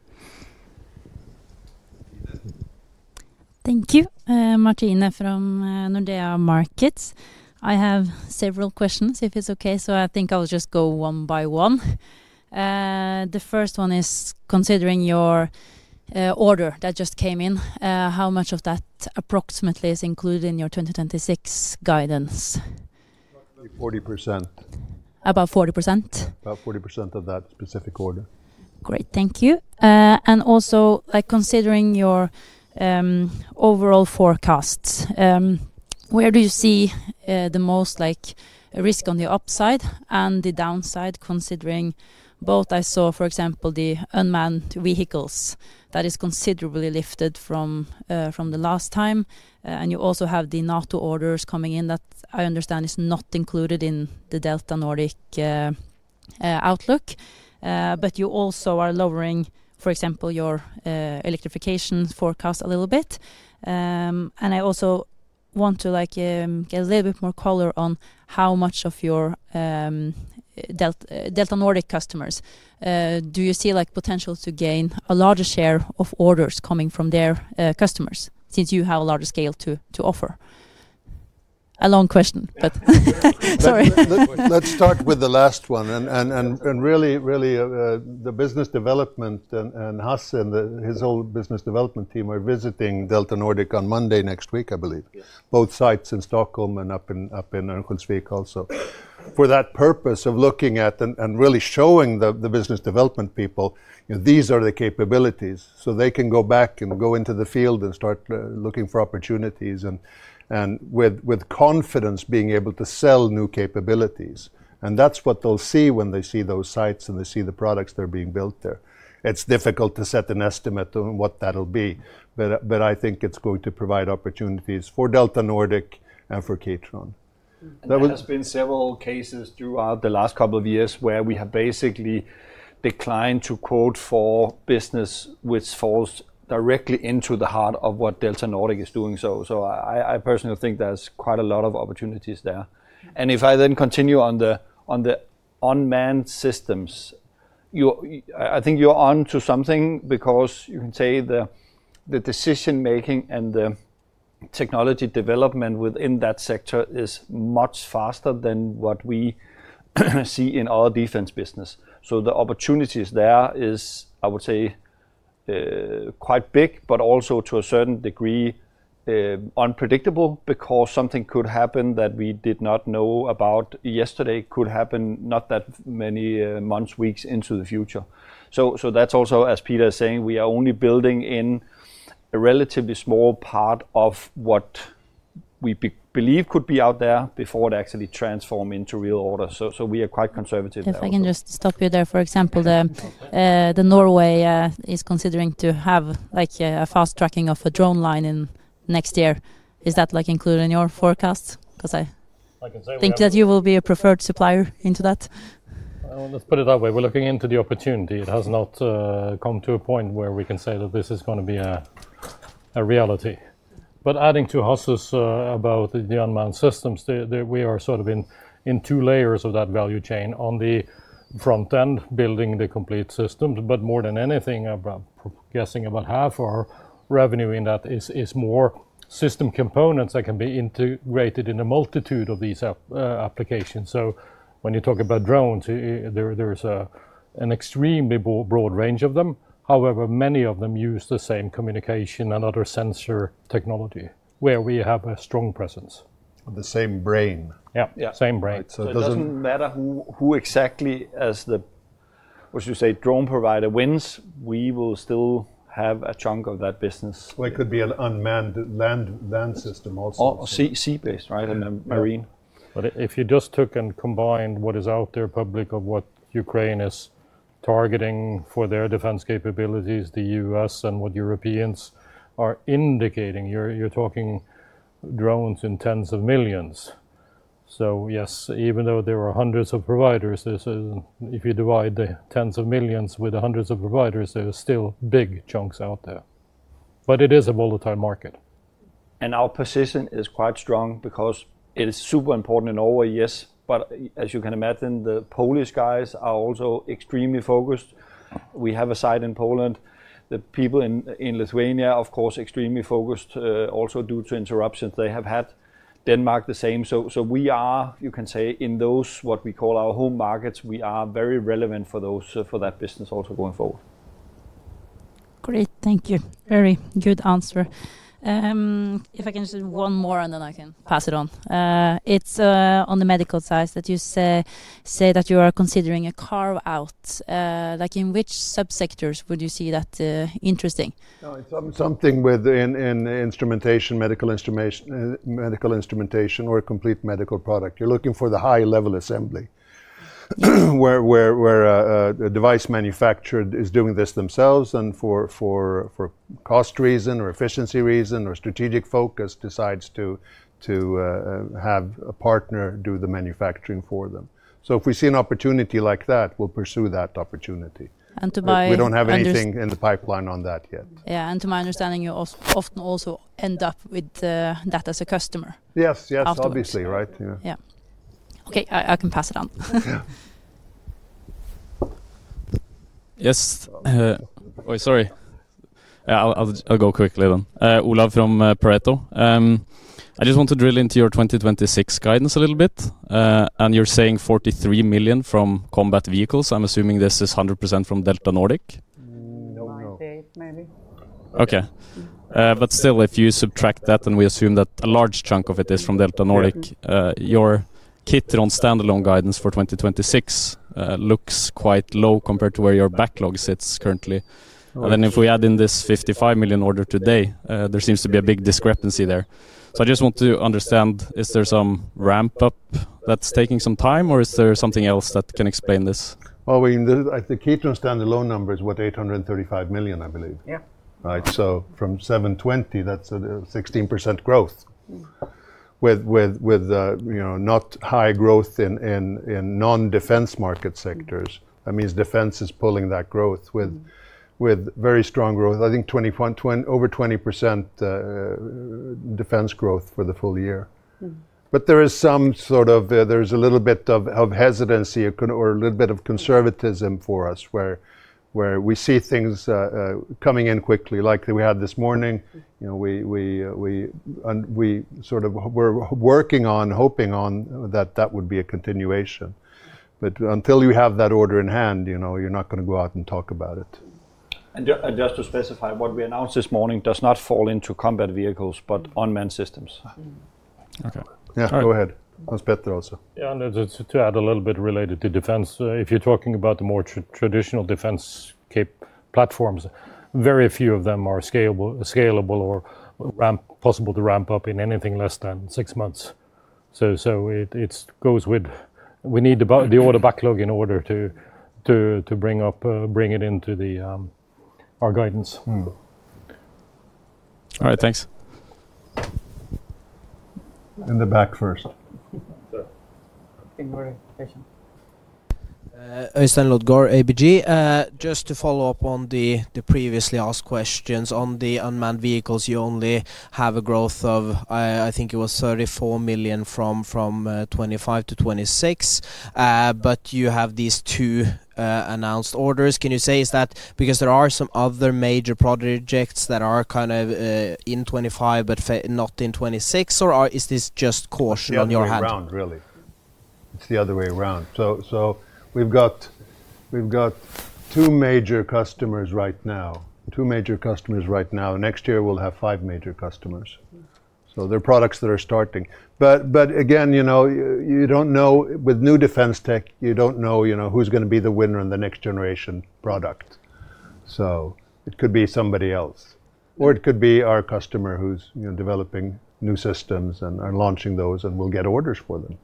Thank you, Martine from Nordea Markets. I have several questions, if it's okay. So I think I'll just go one by one. The first one is considering your order that just came in. How much of that approximately is included in your 2026 guidance? 40%. About 40%? About 40% of that specific order. Great, thank you. And also, considering your overall forecasts, where do you see the most risk on the upside and the downside considering both? I saw, for example, the unmanned vehicles that is considerably lifted from the last time. And you also have the NATO orders coming in that I understand is not included in the DeltaNordic outlook. But you also are lowering, for example, your electrification forecast a little bit. And I also want to get a little bit more color on how much of your DeltaNordic customers do you see potential to gain a larger share of orders coming from their customers since you have a larger scale to offer? A long question, but sorry. Let's start with the last one, and really, really, the business development and Hasse and his whole business development team are visiting DeltaNordic on Monday next week, I believe. Both sites in Stockholm and up in Örnsköldsvik also for that purpose of looking at and really showing the business development people, these are the capabilities, so they can go back and go into the field and start looking for opportunities and with confidence being able to sell new capabilities, and that's what they'll see when they see those sites and they see the products that are being built there. It's difficult to set an estimate on what that'll be, but I think it's going to provide opportunities for DeltaNordic and for Kitron. There have been several cases throughout the last couple of years where we have basically declined to quote for business which falls directly into the heart of what DeltaNordic is doing. So I personally think there's quite a lot of opportunities there. And if I then continue on the unmanned systems, I think you're on to something because you can say the decision-making and the technology development within that sector is much faster than what we see in our defense business. So the opportunities there is, I would say, quite big, but also to a certain degree unpredictable because something could happen that we did not know about yesterday, could happen not that many months, weeks into the future. So that's also, as Peter is saying, we are only building in a relatively small part of what we believe could be out there before it actually transforms into real order. So we are quite conservative there. If I can just stop you there. For example, Norway is considering to have a fast tracking of a drone line in next year. Is that included in your forecast? Because I think that you will be a preferred supplier into that. Let's put it that way. We're looking into the opportunity. It has not come to a point where we can say that this is going to be a reality, but adding to Hasse's about the unmanned systems, we are sort of in two layers of that value chain on the front end, building the complete systems, but more than anything, I'm guessing about half our revenue in that is more system components that can be integrated in a multitude of these applications, so when you talk about drones, there is an extremely broad range of them. However, many of them use the same communication and other sensor technology where we have a strong presence. The same brain. Yeah, same brain, so it doesn't matter who exactly as the, what you say, drone provider wins, we will still have a chunk of that business. It could be an unmanned land system also. Sea-based, right? Marine. But if you just took and combined what is out there public of what Ukraine is targeting for their defense capabilities, the U.S. and what Europeans are indicating, you're talking drones in tens of millions. So yes, even though there are hundreds of providers, if you divide the tens of millions with hundreds of providers, there are still big chunks out there. But it is a volatile market. And our position is quite strong because it is super important in Norway, yes. But as you can imagine, the Polish guys are also extremely focused. We have a site in Poland. The people in Lithuania, of course, extremely focused also due to interruptions they have had. Denmark, the same. So we are, you can say, in those what we call our home markets, we are very relevant for that business also going forward. Great, thank you. Very good answer. If I can just add one more and then I can pass it on. It's on the medical side that you say that you are considering a carve-out. In which subsectors would you see that interesting? Something within instrumentation, medical instrumentation, or a complete medical product. You're looking for the high-level assembly where a device manufacturer is doing this themselves and for cost reason or efficiency reason or strategic focus decides to have a partner do the manufacturing for them. So if we see an opportunity like that, we'll pursue that opportunity. And to buy. We don't have anything in the pipeline on that yet. Yeah, and to my understanding, you often also end up with that as a customer. Yes, yes, obviously, right? Yeah. Okay, I can pass it on. Yes. Oh, sorry. I'll go quickly then. Olav from Pareto. I just want to drill into your 2026 guidance a little bit. And you're saying 43 million from combat vehicles. I'm assuming this is 100% from DeltaNordic. No, no. Okay. But still, if you subtract that and we assume that a large chunk of it is from DeltaNordic, your Kitron standalone guidance for 2026 looks quite low compared to where your backlog sits currently. And then if we add in this 55 million order today, there seems to be a big discrepancy there. So I just want to understand, is there some ramp-up that's taking some time or is there something else that can explain this? Well, the Kitron standalone number is what, 835 million, I believe. Right? So from 720 million, that's a 16% growth. With not high growth in non-defense market sectors, that means defense is pulling that growth with very strong growth. I think over 20% defense growth for the full year. But there is some sort of, there's a little bit of hesitancy or a little bit of conservatism for us where we see things coming in quickly. Like we had this morning, we sort of were working on, hoping on that that would be a continuation. But until you have that order in hand, you're not going to go out and talk about it. And just to specify, what we announced this morning does not fall into combat vehicles but unmanned systems. Okay. Yeah, go ahead. Hans Petter also. Yeah. To add a little bit related to defense, if you're talking about the more traditional defense-capable platforms, very few of them are scalable or possible to ramp up in anything less than six months. So it goes without saying we need the order backlog in order to bring it into our guidance. All right, thanks. In the back first. Øystein Lodgaard, ABG. Just to follow up on the previously asked questions on the unmanned vehicles, you only have a growth of, I think it was 34 million from 2025 to 2026. But you have these two announced orders. Can you say is that because there are some other major projects that are kind of in 2025 but not in 2026, or is this just caution on your part? It's the other way around. It's the other way around. So we've got two major customers right now, two major customers right now. Next year, we'll have five major customers. So they're products that are starting. But again, you don't know with new defense tech, you don't know who's going to be the winner in the next generation product. So it could be somebody else. Or it could be our customer who's developing new systems and launching those and we'll get orders for them.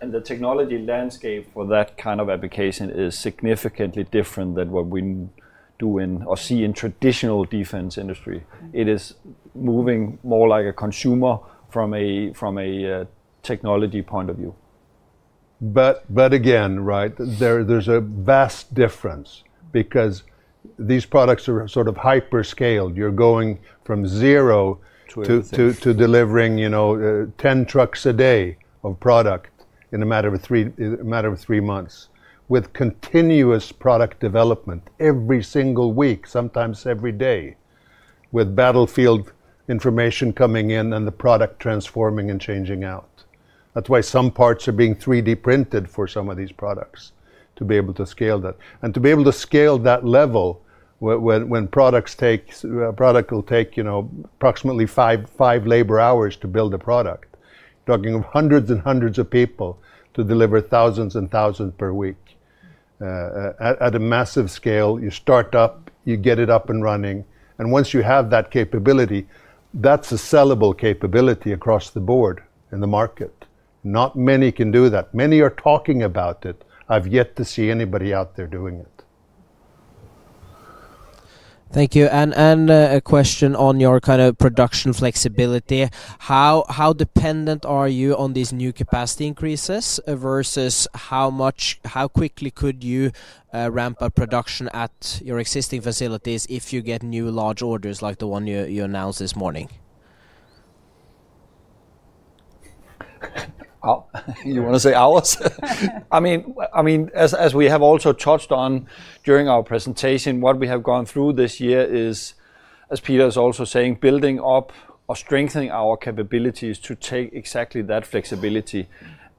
And the technology landscape for that kind of application is significantly different than what we do in or see in traditional defense industry. It is moving more like a consumer from a technology point of view. But again, right, there's a vast difference because these products are sort of hyperscaled. You're going from zero to delivering 10 trucks a day of product in a matter of three months with continuous product development every single week, sometimes every day, with battlefield information coming in and the product transforming and changing out. That's why some parts are being 3D printed for some of these products to be able to scale that, and to be able to scale that level when products will take approximately five labor hours to build a product, talking of hundreds and hundreds of people to deliver thousands and thousands per week at a massive scale, you start up, you get it up and running, and once you have that capability, that's a sellable capability across the board in the market. Not many can do that. Many are talking about it. I've yet to see anybody out there doing it. Thank you. And a question on your kind of production flexibility. How dependent are you on these new capacity increases versus how quickly could you ramp up production at your existing facilities if you get new large orders like the one you announced this morning? You want to say ours? I mean, as we have also touched on during our presentation, what we have gone through this year is, as Peter is also saying, building up or strengthening our capabilities to take exactly that flexibility,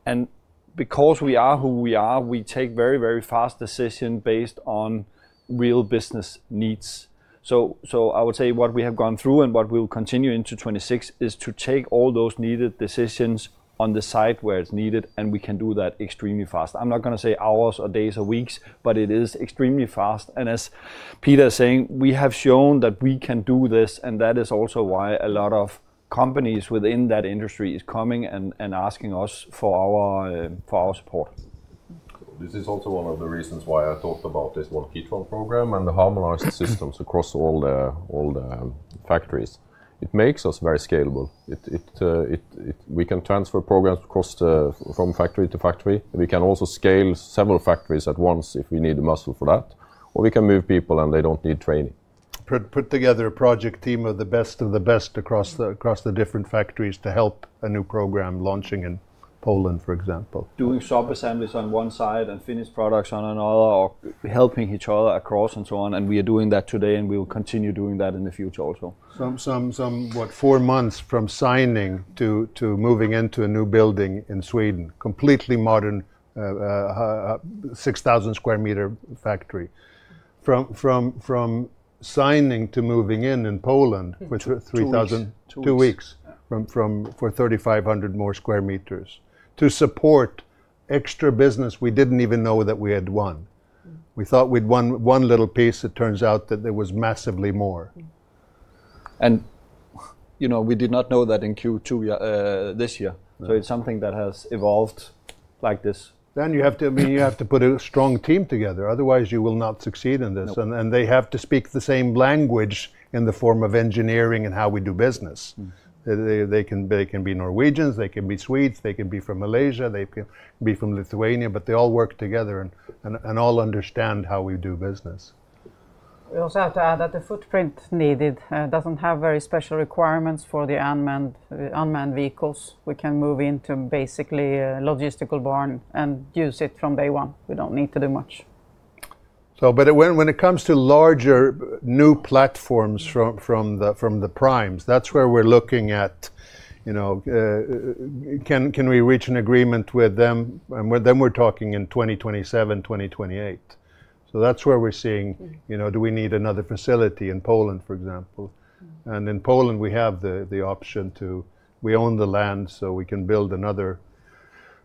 and because we are who we are, we take very, very fast decisions based on real business needs, so I would say what we have gone through and what we will continue into 2026 is to take all those needed decisions on the site where it's needed, and we can do that extremely fast. I'm not going to say hours or days or weeks, but it is extremely fast, and as Peter is saying, we have shown that we can do this, and that is also why a lot of companies within that industry are coming and asking us for our support. This is also one of the reasons why I talked about this One Kitron program and the harmonized systems across all the factories. It makes us very scalable. We can transfer programs from factory to factory. We can also scale several factories at once if we need the muscle for that, or we can move people and they don't need training, put together a project team of the best of the best across the different factories to help a new program launching in Poland, for example, doing shop assemblies on one side and finished products on another or helping each other across and so on, and we are doing that today, and we will continue doing that in the future also. Somehow, four months from signing to moving into a new building in Sweden, completely modern 6,000 sq m factory. From signing to moving in in Poland, which was two weeks for 3,500 sq m more to support extra business, we didn't even know that we had one. We thought we'd won one little piece. It turns out that there was massively more, and we did not know that in Q2 this year, so it's something that has evolved like this, then you have to put a strong team together. Otherwise, you will not succeed in this, and they have to speak the same language in the form of engineering and how we do business. They can be Norwegians, they can be Swedes, they can be from Malaysia, they can be from Lithuania, but they all work together and all understand how we do business. We also have to add that the footprint needed doesn't have very special requirements for the unmanned vehicles. We can move into basically logistical barn and use it from day one. We don't need to do much. But when it comes to larger new platforms from the primes, that's where we're looking at can we reach an agreement with them? And then we're talking in 2027, 2028. So that's where we're seeing do we need another facility in Poland, for example. And in Poland, we have the option to we own the land, so we can build another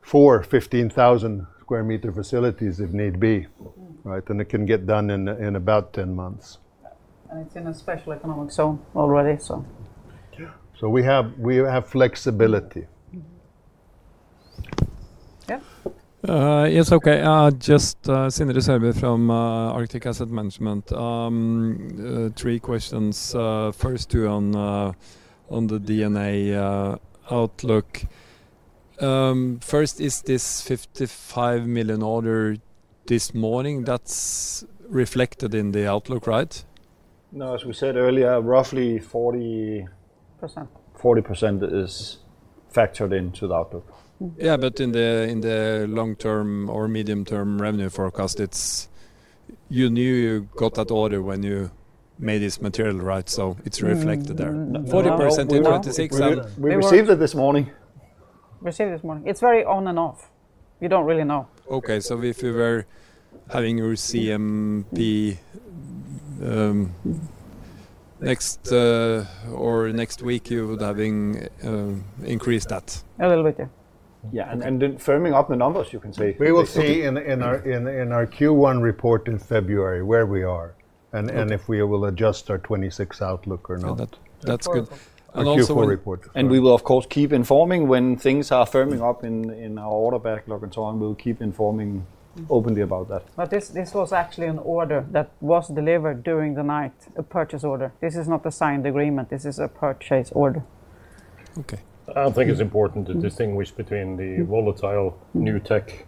four 15,000 sq m facilities if need be. And it can get done in about 10 months. And it's in a special economic zone already. So we have flexibility. Yes, okay. Just Sindre Sørbye from Arctic Asset Management. Three questions. First two on the D&A outlook. First, is this 55 million order this morning? That's reflected in the outlook, right? No, as we said earlier, roughly 40% is factored into the outlook. Yeah, but in the long-term or medium-term revenue forecast, you knew you got that order when you made this material, right? So it's reflected there. 40% in 2026. We received it this morning. We received it this morning. It's very on and off. We don't really know. Okay, so if you were having your CMD next or next week, you would have increased that. A little bit, yeah. Yeah, and firming up the numbers, you can say. We will see in our Q1 report in February where we are and if we will adjust our 2026 outlook or not. That's good. Q4 report. We will, of course, keep informing when things are firming up in our order backlog and so on. We'll keep informing openly about that. This was actually an order that was delivered during the night, a purchase order. This is not a signed agreement. This is a purchase order. Okay. I think it's important to distinguish between the volatile new tech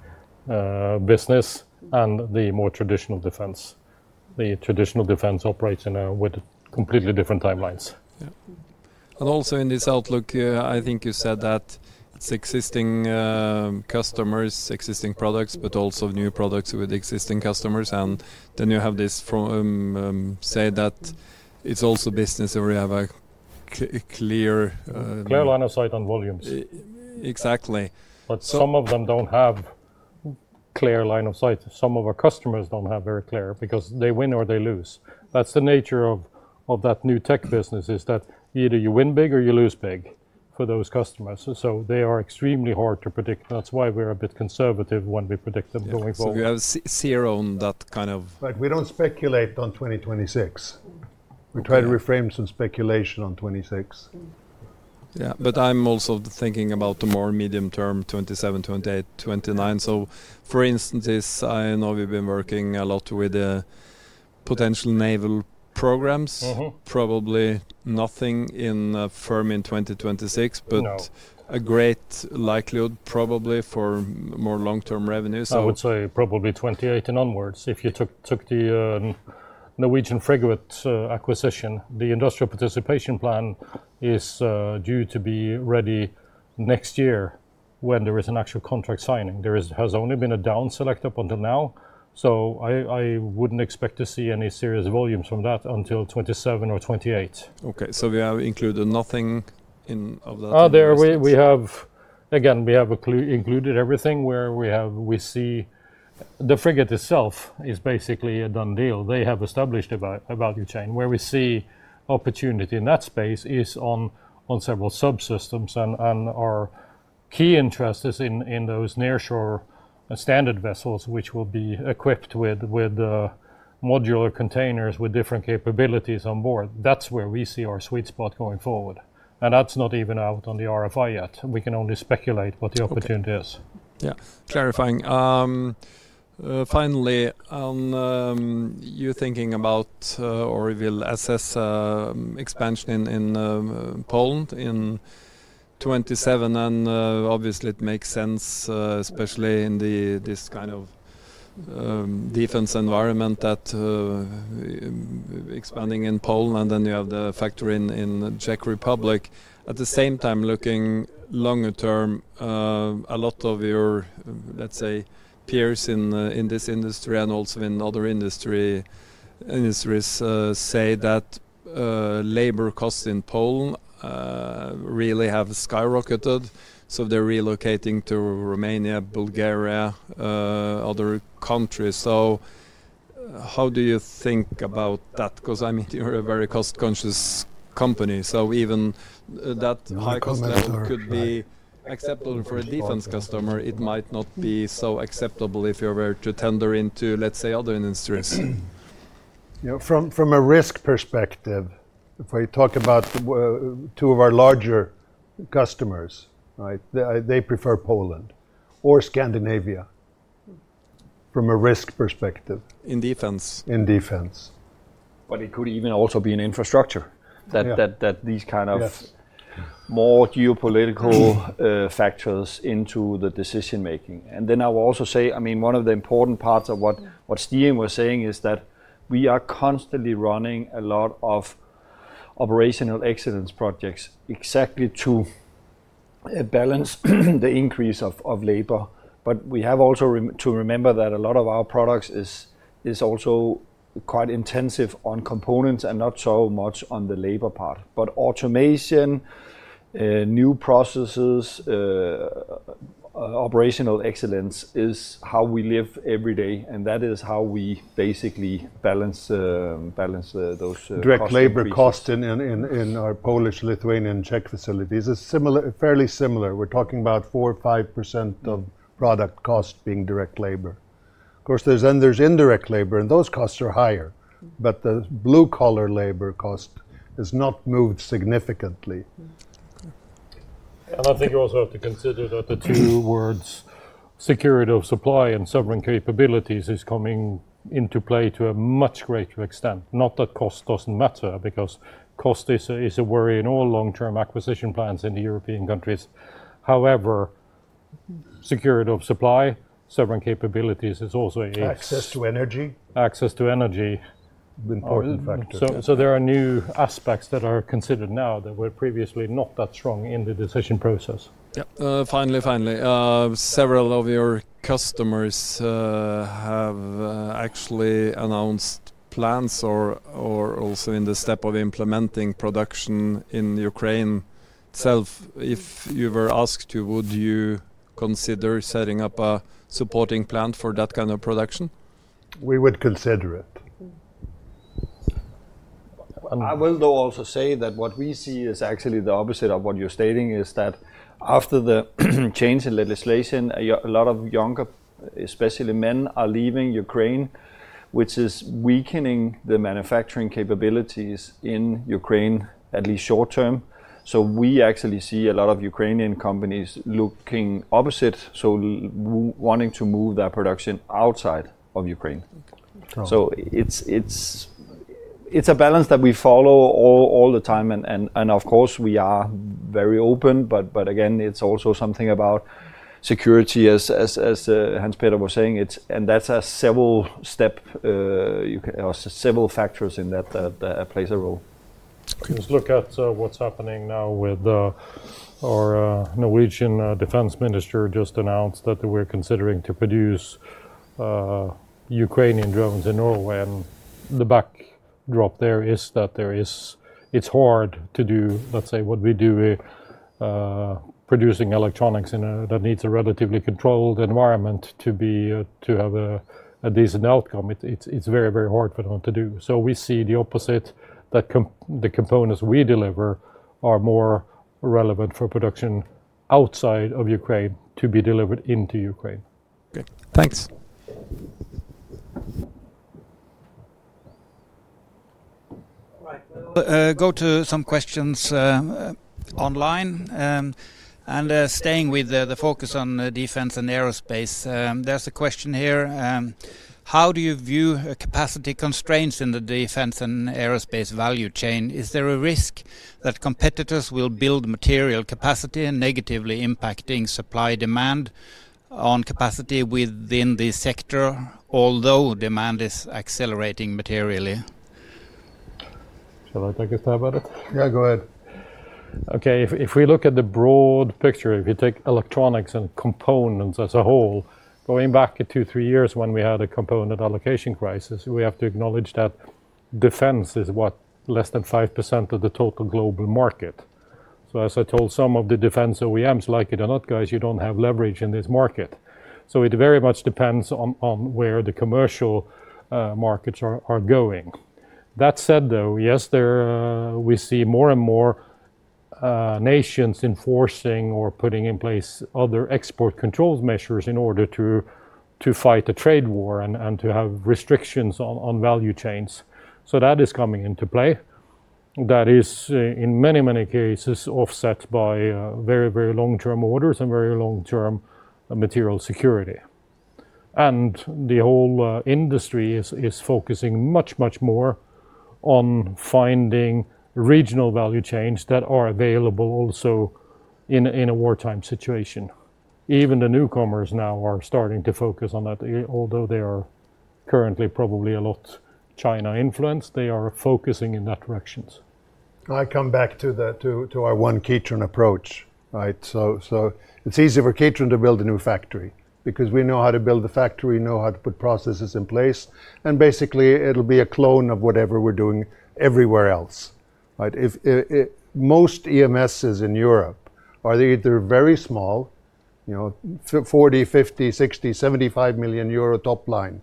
business and the more traditional defense. The traditional defense operates with completely different timelines. And also in this outlook, I think you said that it's existing customers, existing products, but also new products with existing customers. And then you have this say that it's also business where you have a clear. Clear line of sight on volumes. Exactly. But some of them don't have clear line of sight. Some of our customers don't have very clear because they win or they lose. That's the nature of that new tech business is that either you win big or you lose big for those customers. So they are extremely hard to predict. That's why we're a bit conservative when we predict them going forward. So you have zero on that kind of. But we don't speculate on 2026. We try to reframe some speculation on 2026. Yeah, but I'm also thinking about the more medium term, 2027, 2028, 2029. So for instances, I know we've been working a lot with potential naval programs. Probably nothing firm in 2026, but a great likelihood probably for more long-term revenue. I would say probably 2028 and onwards. If you took the Norwegian Frigate acquisition, the industrial participation plan is due to be ready next year when there is an actual contract signing. There has only been a down select up until now. So I wouldn't expect to see any serious volumes from that until 2027 or 2028. Okay, so we have included nothing in. Again, we have included everything where we see the frigate itself is basically a done deal. They have established a value chain. Where we see opportunity in that space is on several subsystems. And our key interest is in those nearshore standard vessels, which will be equipped with modular containers with different capabilities on board. That's where we see our sweet spot going forward. And that's not even out on the RFI yet. We can only speculate what the opportunity is. Yeah, clarifying. Finally, you're thinking about or will assess expansion in Poland in 2027. And obviously, it makes sense, especially in this kind of defense environment, that expanding in Poland and then you have the factory in Czech Republic. At the same time, looking longer term, a lot of your, let's say, peers in this industry and also in other industries say that labor costs in Poland really have skyrocketed. So they're relocating to Romania, Bulgaria, other countries. So how do you think about that? Because I mean, you're a very cost-conscious company. So even that high cost level could be acceptable for a defense customer. It might not be so acceptable if you were to tender into, let's say, other industries. From a risk perspective, if I talk about two of our larger customers, they prefer Poland or Scandinavia from a risk perspective. In defense. In defense. But it could even also be an infrastructure that these kind of more geopolitical factors into the decision-making. And then I will also say, I mean, one of the important parts of what Stefan was saying is that we are constantly running a lot of operational excellence projects exactly to balance the increase of labor. But we have also to remember that a lot of our products is also quite intensive on components and not so much on the labor part. But automation, new processes, operational excellence is how we live every day. And that is how we basically balance those. Direct labor cost in our Polish, Lithuanian, and Czech facilities is fairly similar. We're talking about 4%, 5% of product cost being direct labor. Of course, there's indirect labor and those costs are higher. But the blue-collar labor cost has not moved significantly. And I think you also have to consider that the two words security of supply and sovereign capabilities is coming into play to a much greater extent. Not that cost doesn't matter because cost is a worry in all long-term acquisition plans in the European countries. However, security of supply, sovereign capabilities is also a. Access to energy. Access to energy. Important factor. So there are new aspects that are considered now that were previously not that strong in the decision process. Finally, several of your customers have actually announced plans or also in the step of implementing production in Ukraine itself. If you were asked to, would you consider setting up a supporting plant for that kind of production? We would consider it. I will also say that what we see is actually the opposite of what you're stating is that after the change in legislation, a lot of younger, especially men, are leaving Ukraine, which is weakening the manufacturing capabilities in Ukraine, at least short-term. So we actually see a lot of Ukrainian companies looking opposite, so wanting to move their production outside of Ukraine. So it's a balance that we follow all the time. And of course, we are very open, but again, it's also something about security, as Hans Petter was saying, and that's a several step or several factors in that that plays a role. Let's look at what's happening now with our Norwegian defense minister just announced that we're considering to produce Ukrainian drones in Norway. And the backdrop there is that it's hard to do, let's say, what we do producing electronics that needs a relatively controlled environment to have a decent outcome. It's very, very hard for them to do. So we see the opposite, that the components we deliver are more relevant for production outside of Ukraine to be delivered into Ukraine. Okay, thanks. All right, we'll go to some questions online, and staying with the focus on defense and aerospace, there's a question here. How do you view capacity constraints in the defense and aerospace value chain? Is there a risk that competitors will build material capacity and negatively impacting supply demand on capacity within the sector, although demand is accelerating materially? Shall I take a stab at it? Yeah, go ahead. Okay, if we look at the broad picture, if you take electronics and components as a whole, going back to two or three years when we had a component allocation crisis, we have to acknowledge that defense is what, less than 5% of the total global market. So as I told some of the defense OEMs, like it or not, guys, you don't have leverage in this market. So it very much depends on where the commercial markets are going. That said, though, yes, we see more and more nations enforcing or putting in place other export control measures in order to fight a trade war and to have restrictions on value chains. So that is coming into play. That is, in many, many cases, offset by very, very long-term orders and very long-term material security. And the whole industry is focusing much, much more on finding regional value chains that are available also in a wartime situation. Even the newcomers now are starting to focus on that, although they are currently probably a lot China influenced. They are focusing in that direction. I come back to our One Kitron approach. So it's easy for Kitron to build a new factory because we know how to build the factory, know how to put processes in place. And basically, it'll be a clone of whatever we're doing everywhere else. Most EMSs in Europe are either very small, 40 million, 50 million, 60 million, 75 million euro top line,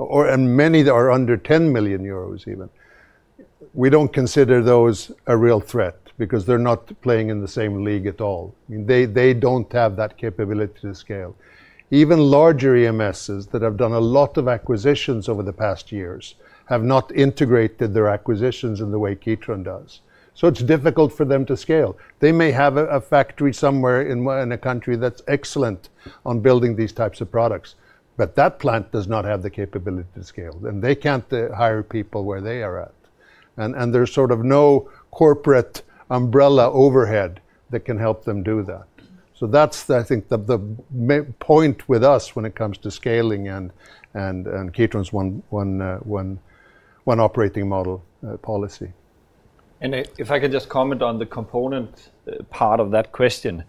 and many that are under 10 million euros even. We don't consider those a real threat because they're not playing in the same league at all. They don't have that capability to scale. Even larger EMSs that have done a lot of acquisitions over the past years have not integrated their acquisitions in the way Kitron does. So it's difficult for them to scale. They may have a factory somewhere in a country that's excellent on building these types of products, but that plant does not have the capability to scale. And they can't hire people where they are at. And there's sort of no corporate umbrella overhead that can help them do that. So that's, I think, the point with us when it comes to scaling and Kitron's operating model policy. And if I can just comment on the component part of that question.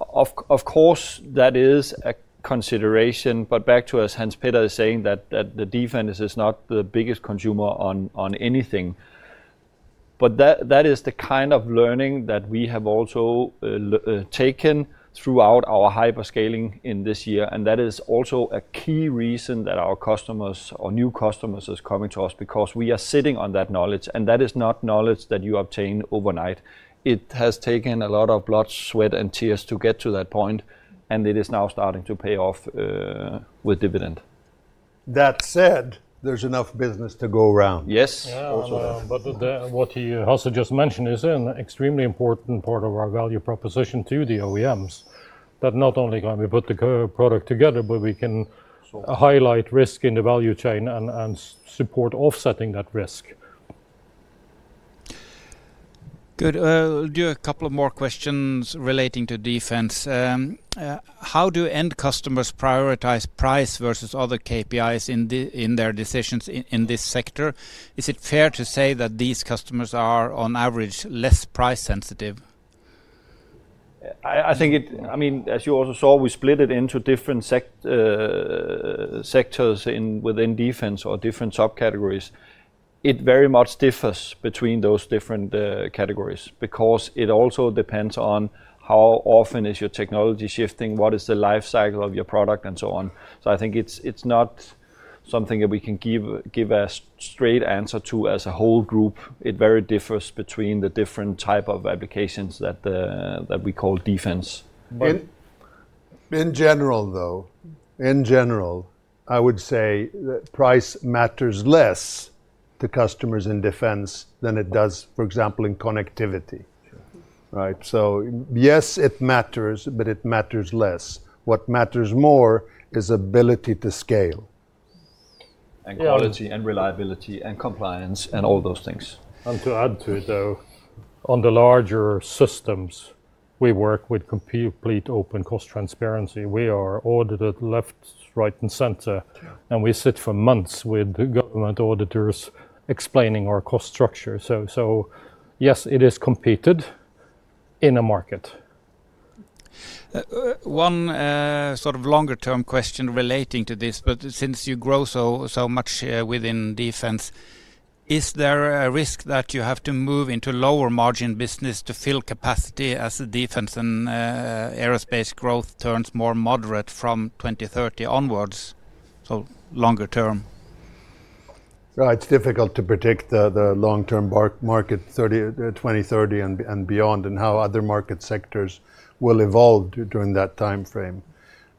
Of course, that is a consideration, but back to as Hans Petter is saying that the defense is not the biggest consumer on anything. But that is the kind of learning that we have also taken throughout our hyperscaling in this year. And that is also a key reason that our customers or new customers are coming to us because we are sitting on that knowledge. And that is not knowledge that you obtain overnight. It has taken a lot of blood, sweat, and tears to get to that point. And it is now starting to pay off with dividend. That said, there's enough business to go around. Yes, also that. But what you also just mentioned is an extremely important part of our value proposition to the OEMs that not only can we put the product together, but we can highlight risk in the value chain and support offsetting that risk. Good. I'll do a couple of more questions relating to defense. How do end customers prioritize price versus other KPIs in their decisions in this sector? Is it fair to say that these customers are on average less price sensitive? I think, I mean, as you also saw, we split it into different sectors within defense or different subcategories. It very much differs between those different categories because it also depends on how often is your technology shifting, what is the lifecycle of your product, and so on. So I think it's not something that we can give a straight answer to as a whole group. It very differs between the different types of applications that we call defense. In general, though, I would say that price matters less to customers in defense than it does, for example, in connectivity. So yes, it matters, but it matters less. What matters more is ability to scale. Technology and reliability and compliance and all those things. And to add to it, though, on the larger systems, we work with complete open cost transparency. We are audited left, right, and center. And we sit for months with government auditors explaining our cost structure. So yes, it is competed in a market. One sort of longer-term question relating to this, but since you grow so much within defense, is there a risk that you have to move into lower margin business to fill capacity as defense and aerospace growth turns more moderate from 2030 onwards? So longer term. It's difficult to predict the long-term market 2030 and beyond and how other market sectors will evolve during that timeframe.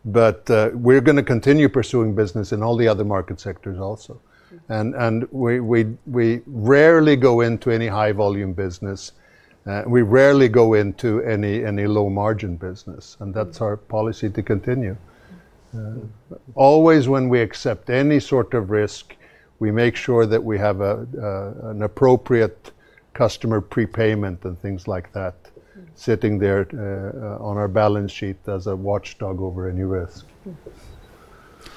But we're going to continue pursuing business in all the other market sectors also. And we rarely go into any high-volume business. We rarely go into any low-margin business. And that's our policy to continue. Always when we accept any sort of risk, we make sure that we have an appropriate customer prepayment and things like that sitting there on our balance sheet as a watchdog over any risk.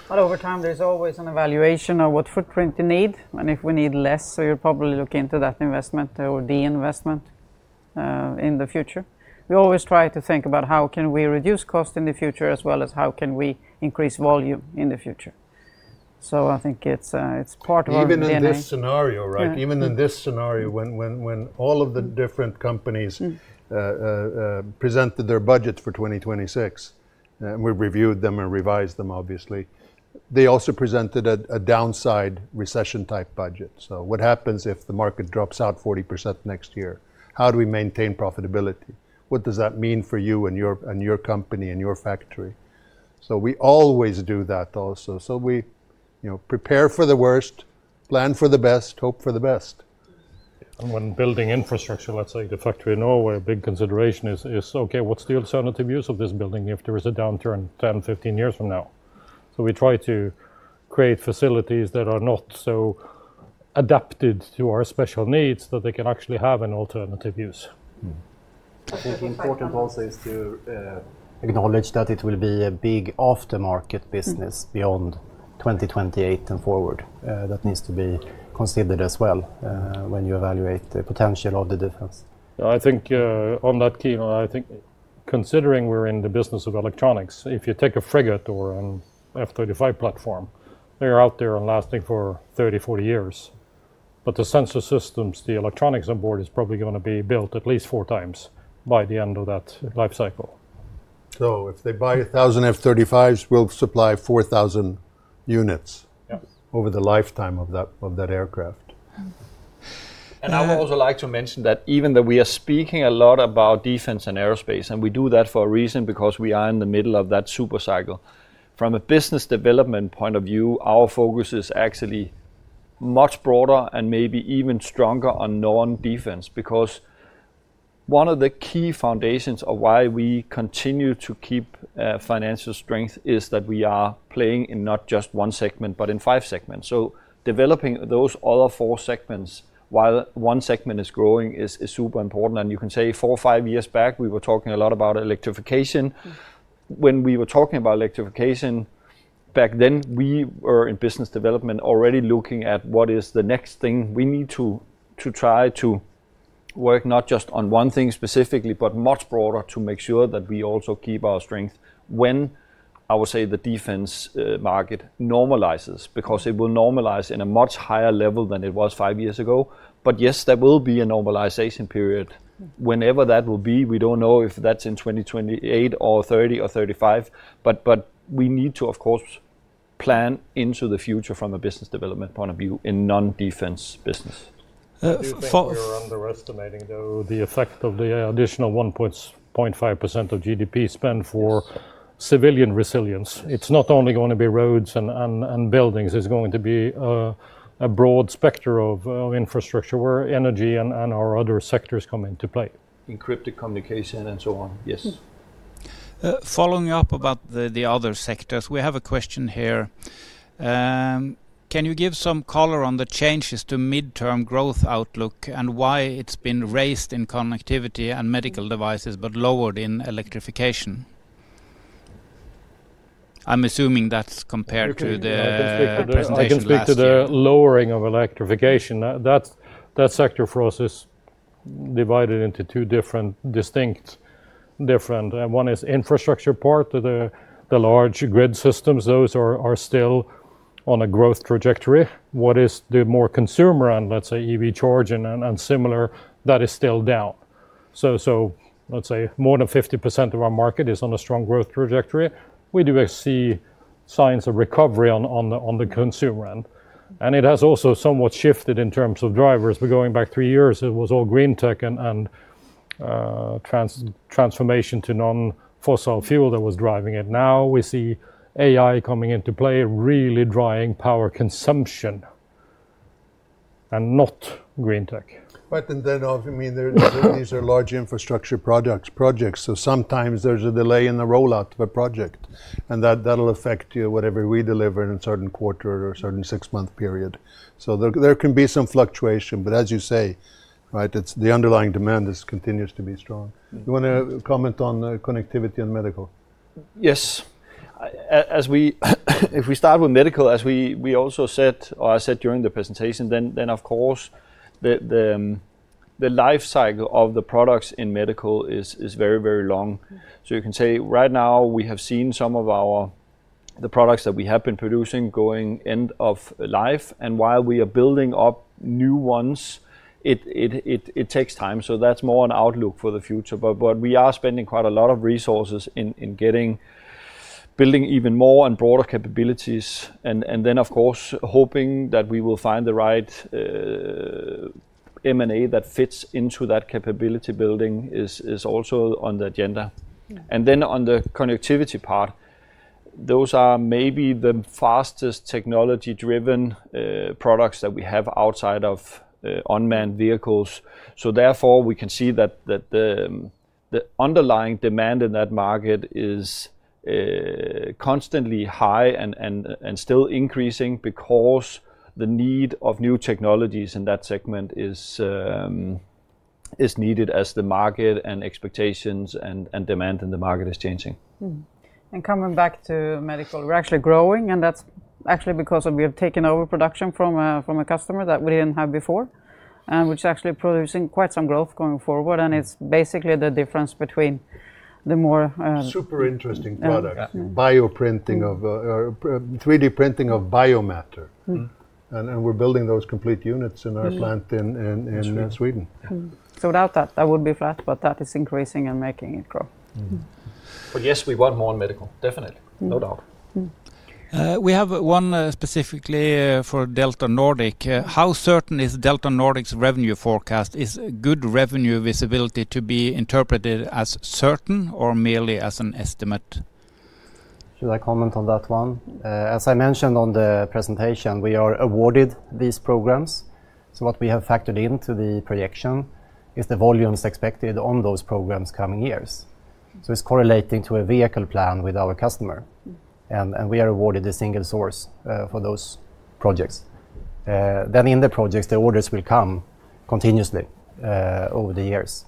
But over time, there's always an evaluation of what footprint you need, and if we need less, we'll probably look into that investment or de-investment in the future. We always try to think about how can we reduce costs in the future as well as how can we increase volume in the future, so I think it's part of our plan. Even in this scenario, right? Even in this scenario, when all of the different companies presented their budgets for 2026, we've reviewed them and revised them, obviously, they also presented a downside recession-type budget. So what happens if the market drops out 40% next year? How do we maintain profitability? What does that mean for you and your company and your factory? So we always do that also. So we prepare for the worst, plan for the best, hope for the best. When building infrastructure, let's say the factory in Norway, a big consideration is, okay, what's the alternative use of this building if there is a downturn 10 to 15 years from now? So we try to create facilities that are not so adapted to our special needs that they can actually have an alternative use. I think important also is to acknowledge that it will be a big aftermarket business beyond 2028 and forward that needs to be considered as well when you evaluate the potential of the defense. I think on that key, I think considering we're in the business of electronics, if you take a frigate or an F-35 platform, they're out there and lasting for 30-40 years. But the sensor systems, the electronics on board is probably going to be built at least four times by the end of that lifecycle. So if they buy 1,000 F-35s, we'll supply 4,000 units over the lifetime of that aircraft. I would also like to mention that even though we are speaking a lot about defense and aerospace, and we do that for a reason because we are in the middle of that supercycle. From a business development point of view, our focus is actually much broader and maybe even stronger on non-defense because one of the key foundations of why we continue to keep financial strength is that we are playing in not just one segment, but in five segments. Developing those other four segments while one segment is growing is super important. You can say four, five years back, we were talking a lot about electrification. When we were talking about electrification back then, we were in business development already looking at what is the next thing we need to try to work not just on one thing specifically, but much broader to make sure that we also keep our strength when I would say the defense market normalizes because it will normalize in a much higher level than it was five years ago. But yes, there will be a normalization period. Whenever that will be, we don't know if that's in 2028 or 2030 or 2035. But we need to, of course, plan into the future from a business development point of view in non-defense business. You're underestimating, though, the effect of the additional 1.5% of GDP spent for civilian resilience. It's not only going to be roads and buildings. It's going to be a broad spectrum of infrastructure where energy and our other sectors come into play. Encrypted communication and so on. Yes. Following up about the other sectors, we have a question here. Can you give some color on the changes to midterm growth outlook and why it's been raised in connectivity and medical devices, but lowered in electrification? I'm assuming that's compared to the. I can speak to the lowering of electrification. That sector for us is divided into two distinct. One is infrastructure part of the large grid systems. Those are still on a growth trajectory. What is the more consumer end, let's say EV charge and similar, that is still down, so let's say more than 50% of our market is on a strong growth trajectory. We do see signs of recovery on the consumer end, and it has also somewhat shifted in terms of drivers, but going back three years, it was all green tech and transformation to non-fossil fuel that was driving it. Now we see AI coming into play, really driving power consumption and not green tech. But then, I mean, these are large infrastructure projects. So sometimes there's a delay in the rollout of a project. And that'll affect whatever we deliver in a certain quarter or certain six-month period. So there can be some fluctuation. But as you say, the underlying demand continues to be strong. You want to comment on connectivity and medical? Yes. If we start with medical, as we also said, or I said during the presentation, then of course, the lifecycle of the products in medical is very, very long. So you can say right now we have seen some of the products that we have been producing going end of life. And while we are building up new ones, it takes time. So that's more an outlook for the future. But we are spending quite a lot of resources in building even more and broader capabilities. And then, of course, hoping that we will find the right M&A that fits into that capability building is also on the agenda. And then on the connectivity part, those are maybe the fastest technology-driven products that we have outside of unmanned vehicles. So therefore, we can see that the underlying demand in that market is constantly high and still increasing because the need of new technologies in that segment is needed as the market and expectations and demand in the market is changing. And coming back to medical, we're actually growing. And that's actually because we have taken over production from a customer that we didn't have before, which is actually producing quite some growth going forward. And it's basically the difference between the more. Super interesting product. Bioprinting, 3D printing of biomatter and we're building those complete units in our plant in Sweden. Without that, that would be flat, but that is increasing and making it grow. But yes, we want more in medical. Definitely. No doubt. We have one specifically for DeltaNordic. How certain is DeltaNordic's revenue forecast? Is good revenue visibility to be interpreted as certain or merely as an estimate? Should I comment on that one? As I mentioned on the presentation, we are awarded these programs. So what we have factored into the projection is the volumes expected on those programs coming years. So it's correlating to a vehicle plan with our customer. And we are awarded a single source for those projects. Then in the projects, the orders will come continuously over the years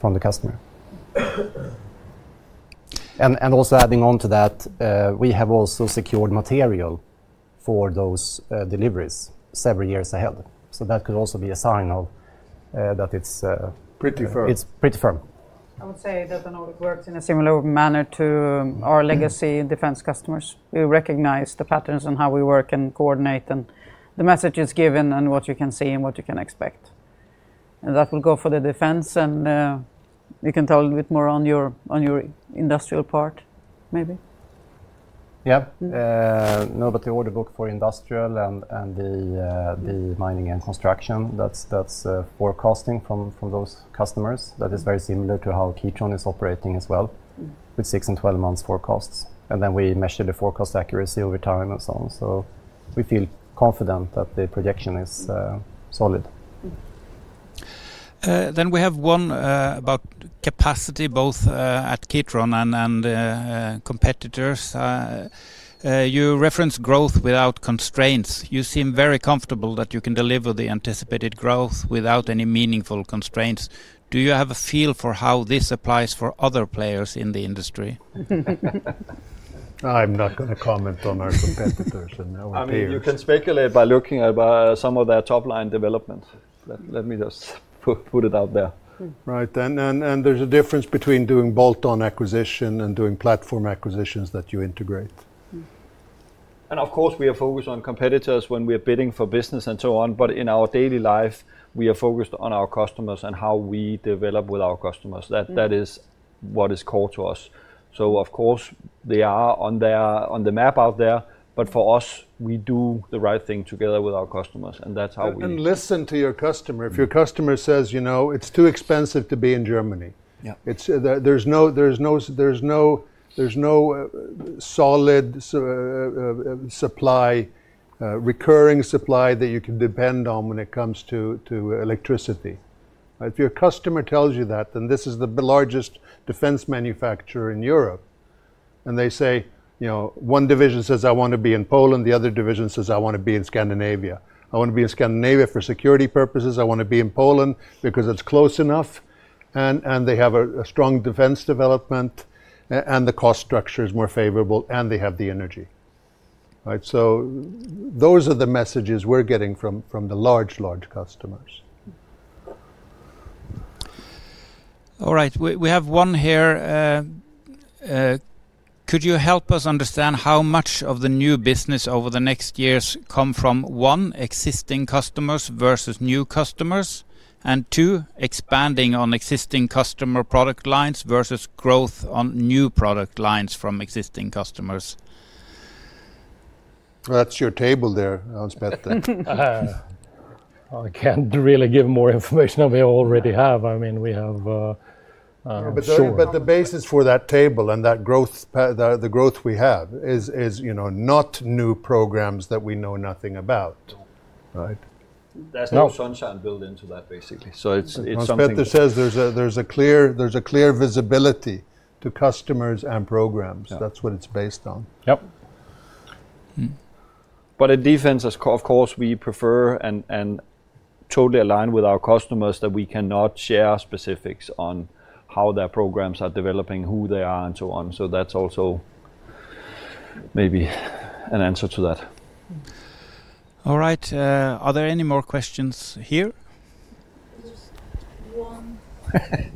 from the customer. And also adding on to that, we have also secured material for those deliveries several years ahead. So that could also be a sign of that it's. Pretty firm. It's pretty firm. I would say DeltaNordic works in a similar manner to our legacy defense customers. We recognize the patterns and how we work and coordinate and the message is given and what you can see and what you can expect, and that will go for the defense, and you can tell a bit more on your industrial part, maybe. Yeah. Our order book for industrial and the mining and construction. That's forecasting from those customers. That is very similar to how Kitron is operating as well with six and 12 months forecasts. And then we measure the forecast accuracy over time and so on. So we feel confident that the projection is solid. Then we have one about capacity, both at Kitron and competitors. You referenced growth without constraints. You seem very comfortable that you can deliver the anticipated growth without any meaningful constraints. Do you have a feel for how this applies for other players in the industry? I'm not going to comment on our competitors and our peers. You can speculate by looking at some of their top-line developments. Let me just put it out there. Right, and there's a difference between doing bolt-on acquisition and doing platform acquisitions that you integrate. And of course, we are focused on competitors when we are bidding for business and so on. But in our daily life, we are focused on our customers and how we develop with our customers. That is what is core to us. So of course, they are on the map out there. But for us, we do the right thing together with our customers. And that's how we. And listen to your customer. If your customer says, you know, it's too expensive to be in Germany. There's no solid recurring supply that you can depend on when it comes to electricity. If your customer tells you that, then this is the largest defense manufacturer in Europe. And they say, you know, one division says, I want to be in Poland. The other division says, I want to be in Scandinavia. I want to be in Scandinavia for security purposes. I want to be in Poland because it's close enough. And they have a strong defense development. And the cost structure is more favorable. And they have the energy. So those are the messages we're getting from the large, large customers. All right. We have one here. Could you help us understand how much of the new business over the next years come from one, existing customers versus new customers, and two, expanding on existing customer product lines versus growth on new product lines from existing customers? That's your table there, Hans Petter. I can't really give more information. We already have. I mean, we have. But the basis for that table and the growth we have is not new programs that we know nothing about. There's no sunshine built into that, basically. Hans Petter says there's a clear visibility to customers and programs. That's what it's based on. Yep. But in defense, of course, we prefer and totally align with our customers that we cannot share specifics on how their programs are developing, who they are, and so on. So that's also maybe an answer to that. All right. Are there any more questions here?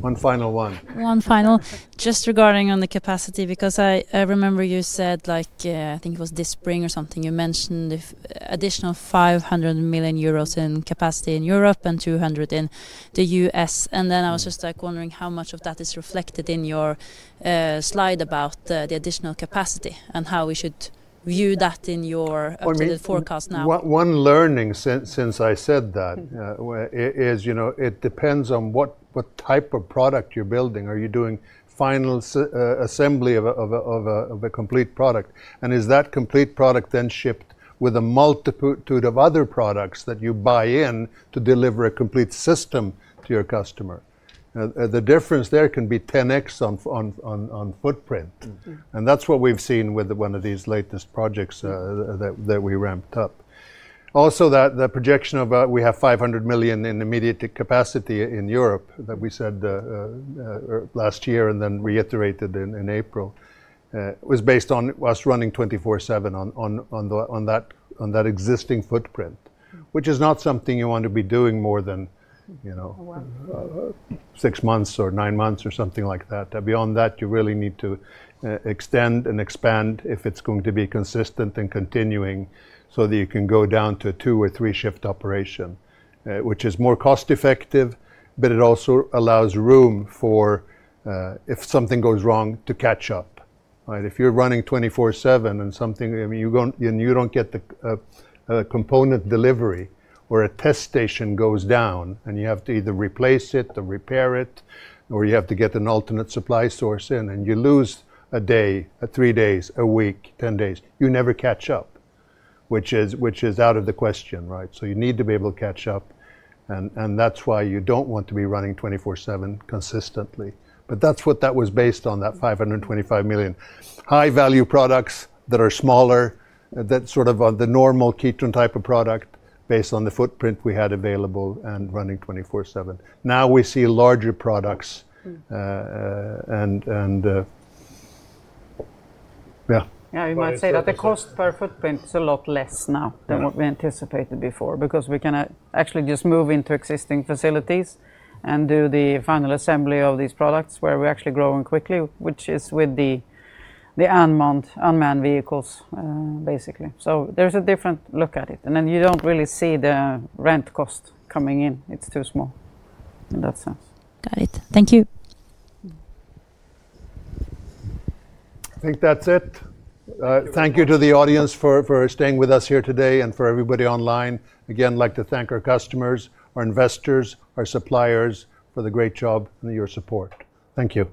One final one. One final. Just regarding on the capacity, because I remember you said, I think it was this spring or something, you mentioned additional 500 million euros in capacity in Europe and 200 million in the U.S. And then I was just wondering how much of that is reflected in your slide about the additional capacity and how we should view that in your forecast now. One learning since I said that is it depends on what type of product you're building. Are you doing final assembly of a complete product? And is that complete product then shipped with a multitude of other products that you buy in to deliver a complete system to your customer? The difference there can be 10x on footprint. And that's what we've seen with one of these latest projects that we ramped up. Also, the projection of we have 500 million in immediate capacity in Europe that we said last year and then reiterated in April was based on us running 24/7 on that existing footprint, which is not something you want to be doing more than six months or nine months or something like that. Beyond that, you really need to extend and expand if it's going to be consistent and continuing so that you can go down to a two or three-shift operation, which is more cost-effective, but it also allows room for, if something goes wrong, to catch up. If you're running 24/7 and you don't get the component delivery or a test station goes down and you have to either replace it or repair it, or you have to get an alternate supply source in, and you lose a day, three days, a week, 10 days, you never catch up, which is out of the question. So you need to be able to catch up. And that's why you don't want to be running 24/7 consistently. But that's what that was based on, that 525 million. High-value products that are smaller, that sort of the normal Kitron type of product based on the footprint we had available and running 24/7. Now we see larger products, and yeah. Yeah, we might say that the cost per footprint is a lot less now than what we anticipated before because we can actually just move into existing facilities and do the final assembly of these products where we're actually growing quickly, which is with the unmanned vehicles, basically. So there's a different look at it. And then you don't really see the rent cost coming in. It's too small in that sense. Got it. Thank you. I think that's it. Thank you to the audience for staying with us here today and for everybody online. Again, I'd like to thank our customers, our investors, our suppliers for the great job and your support. Thank you.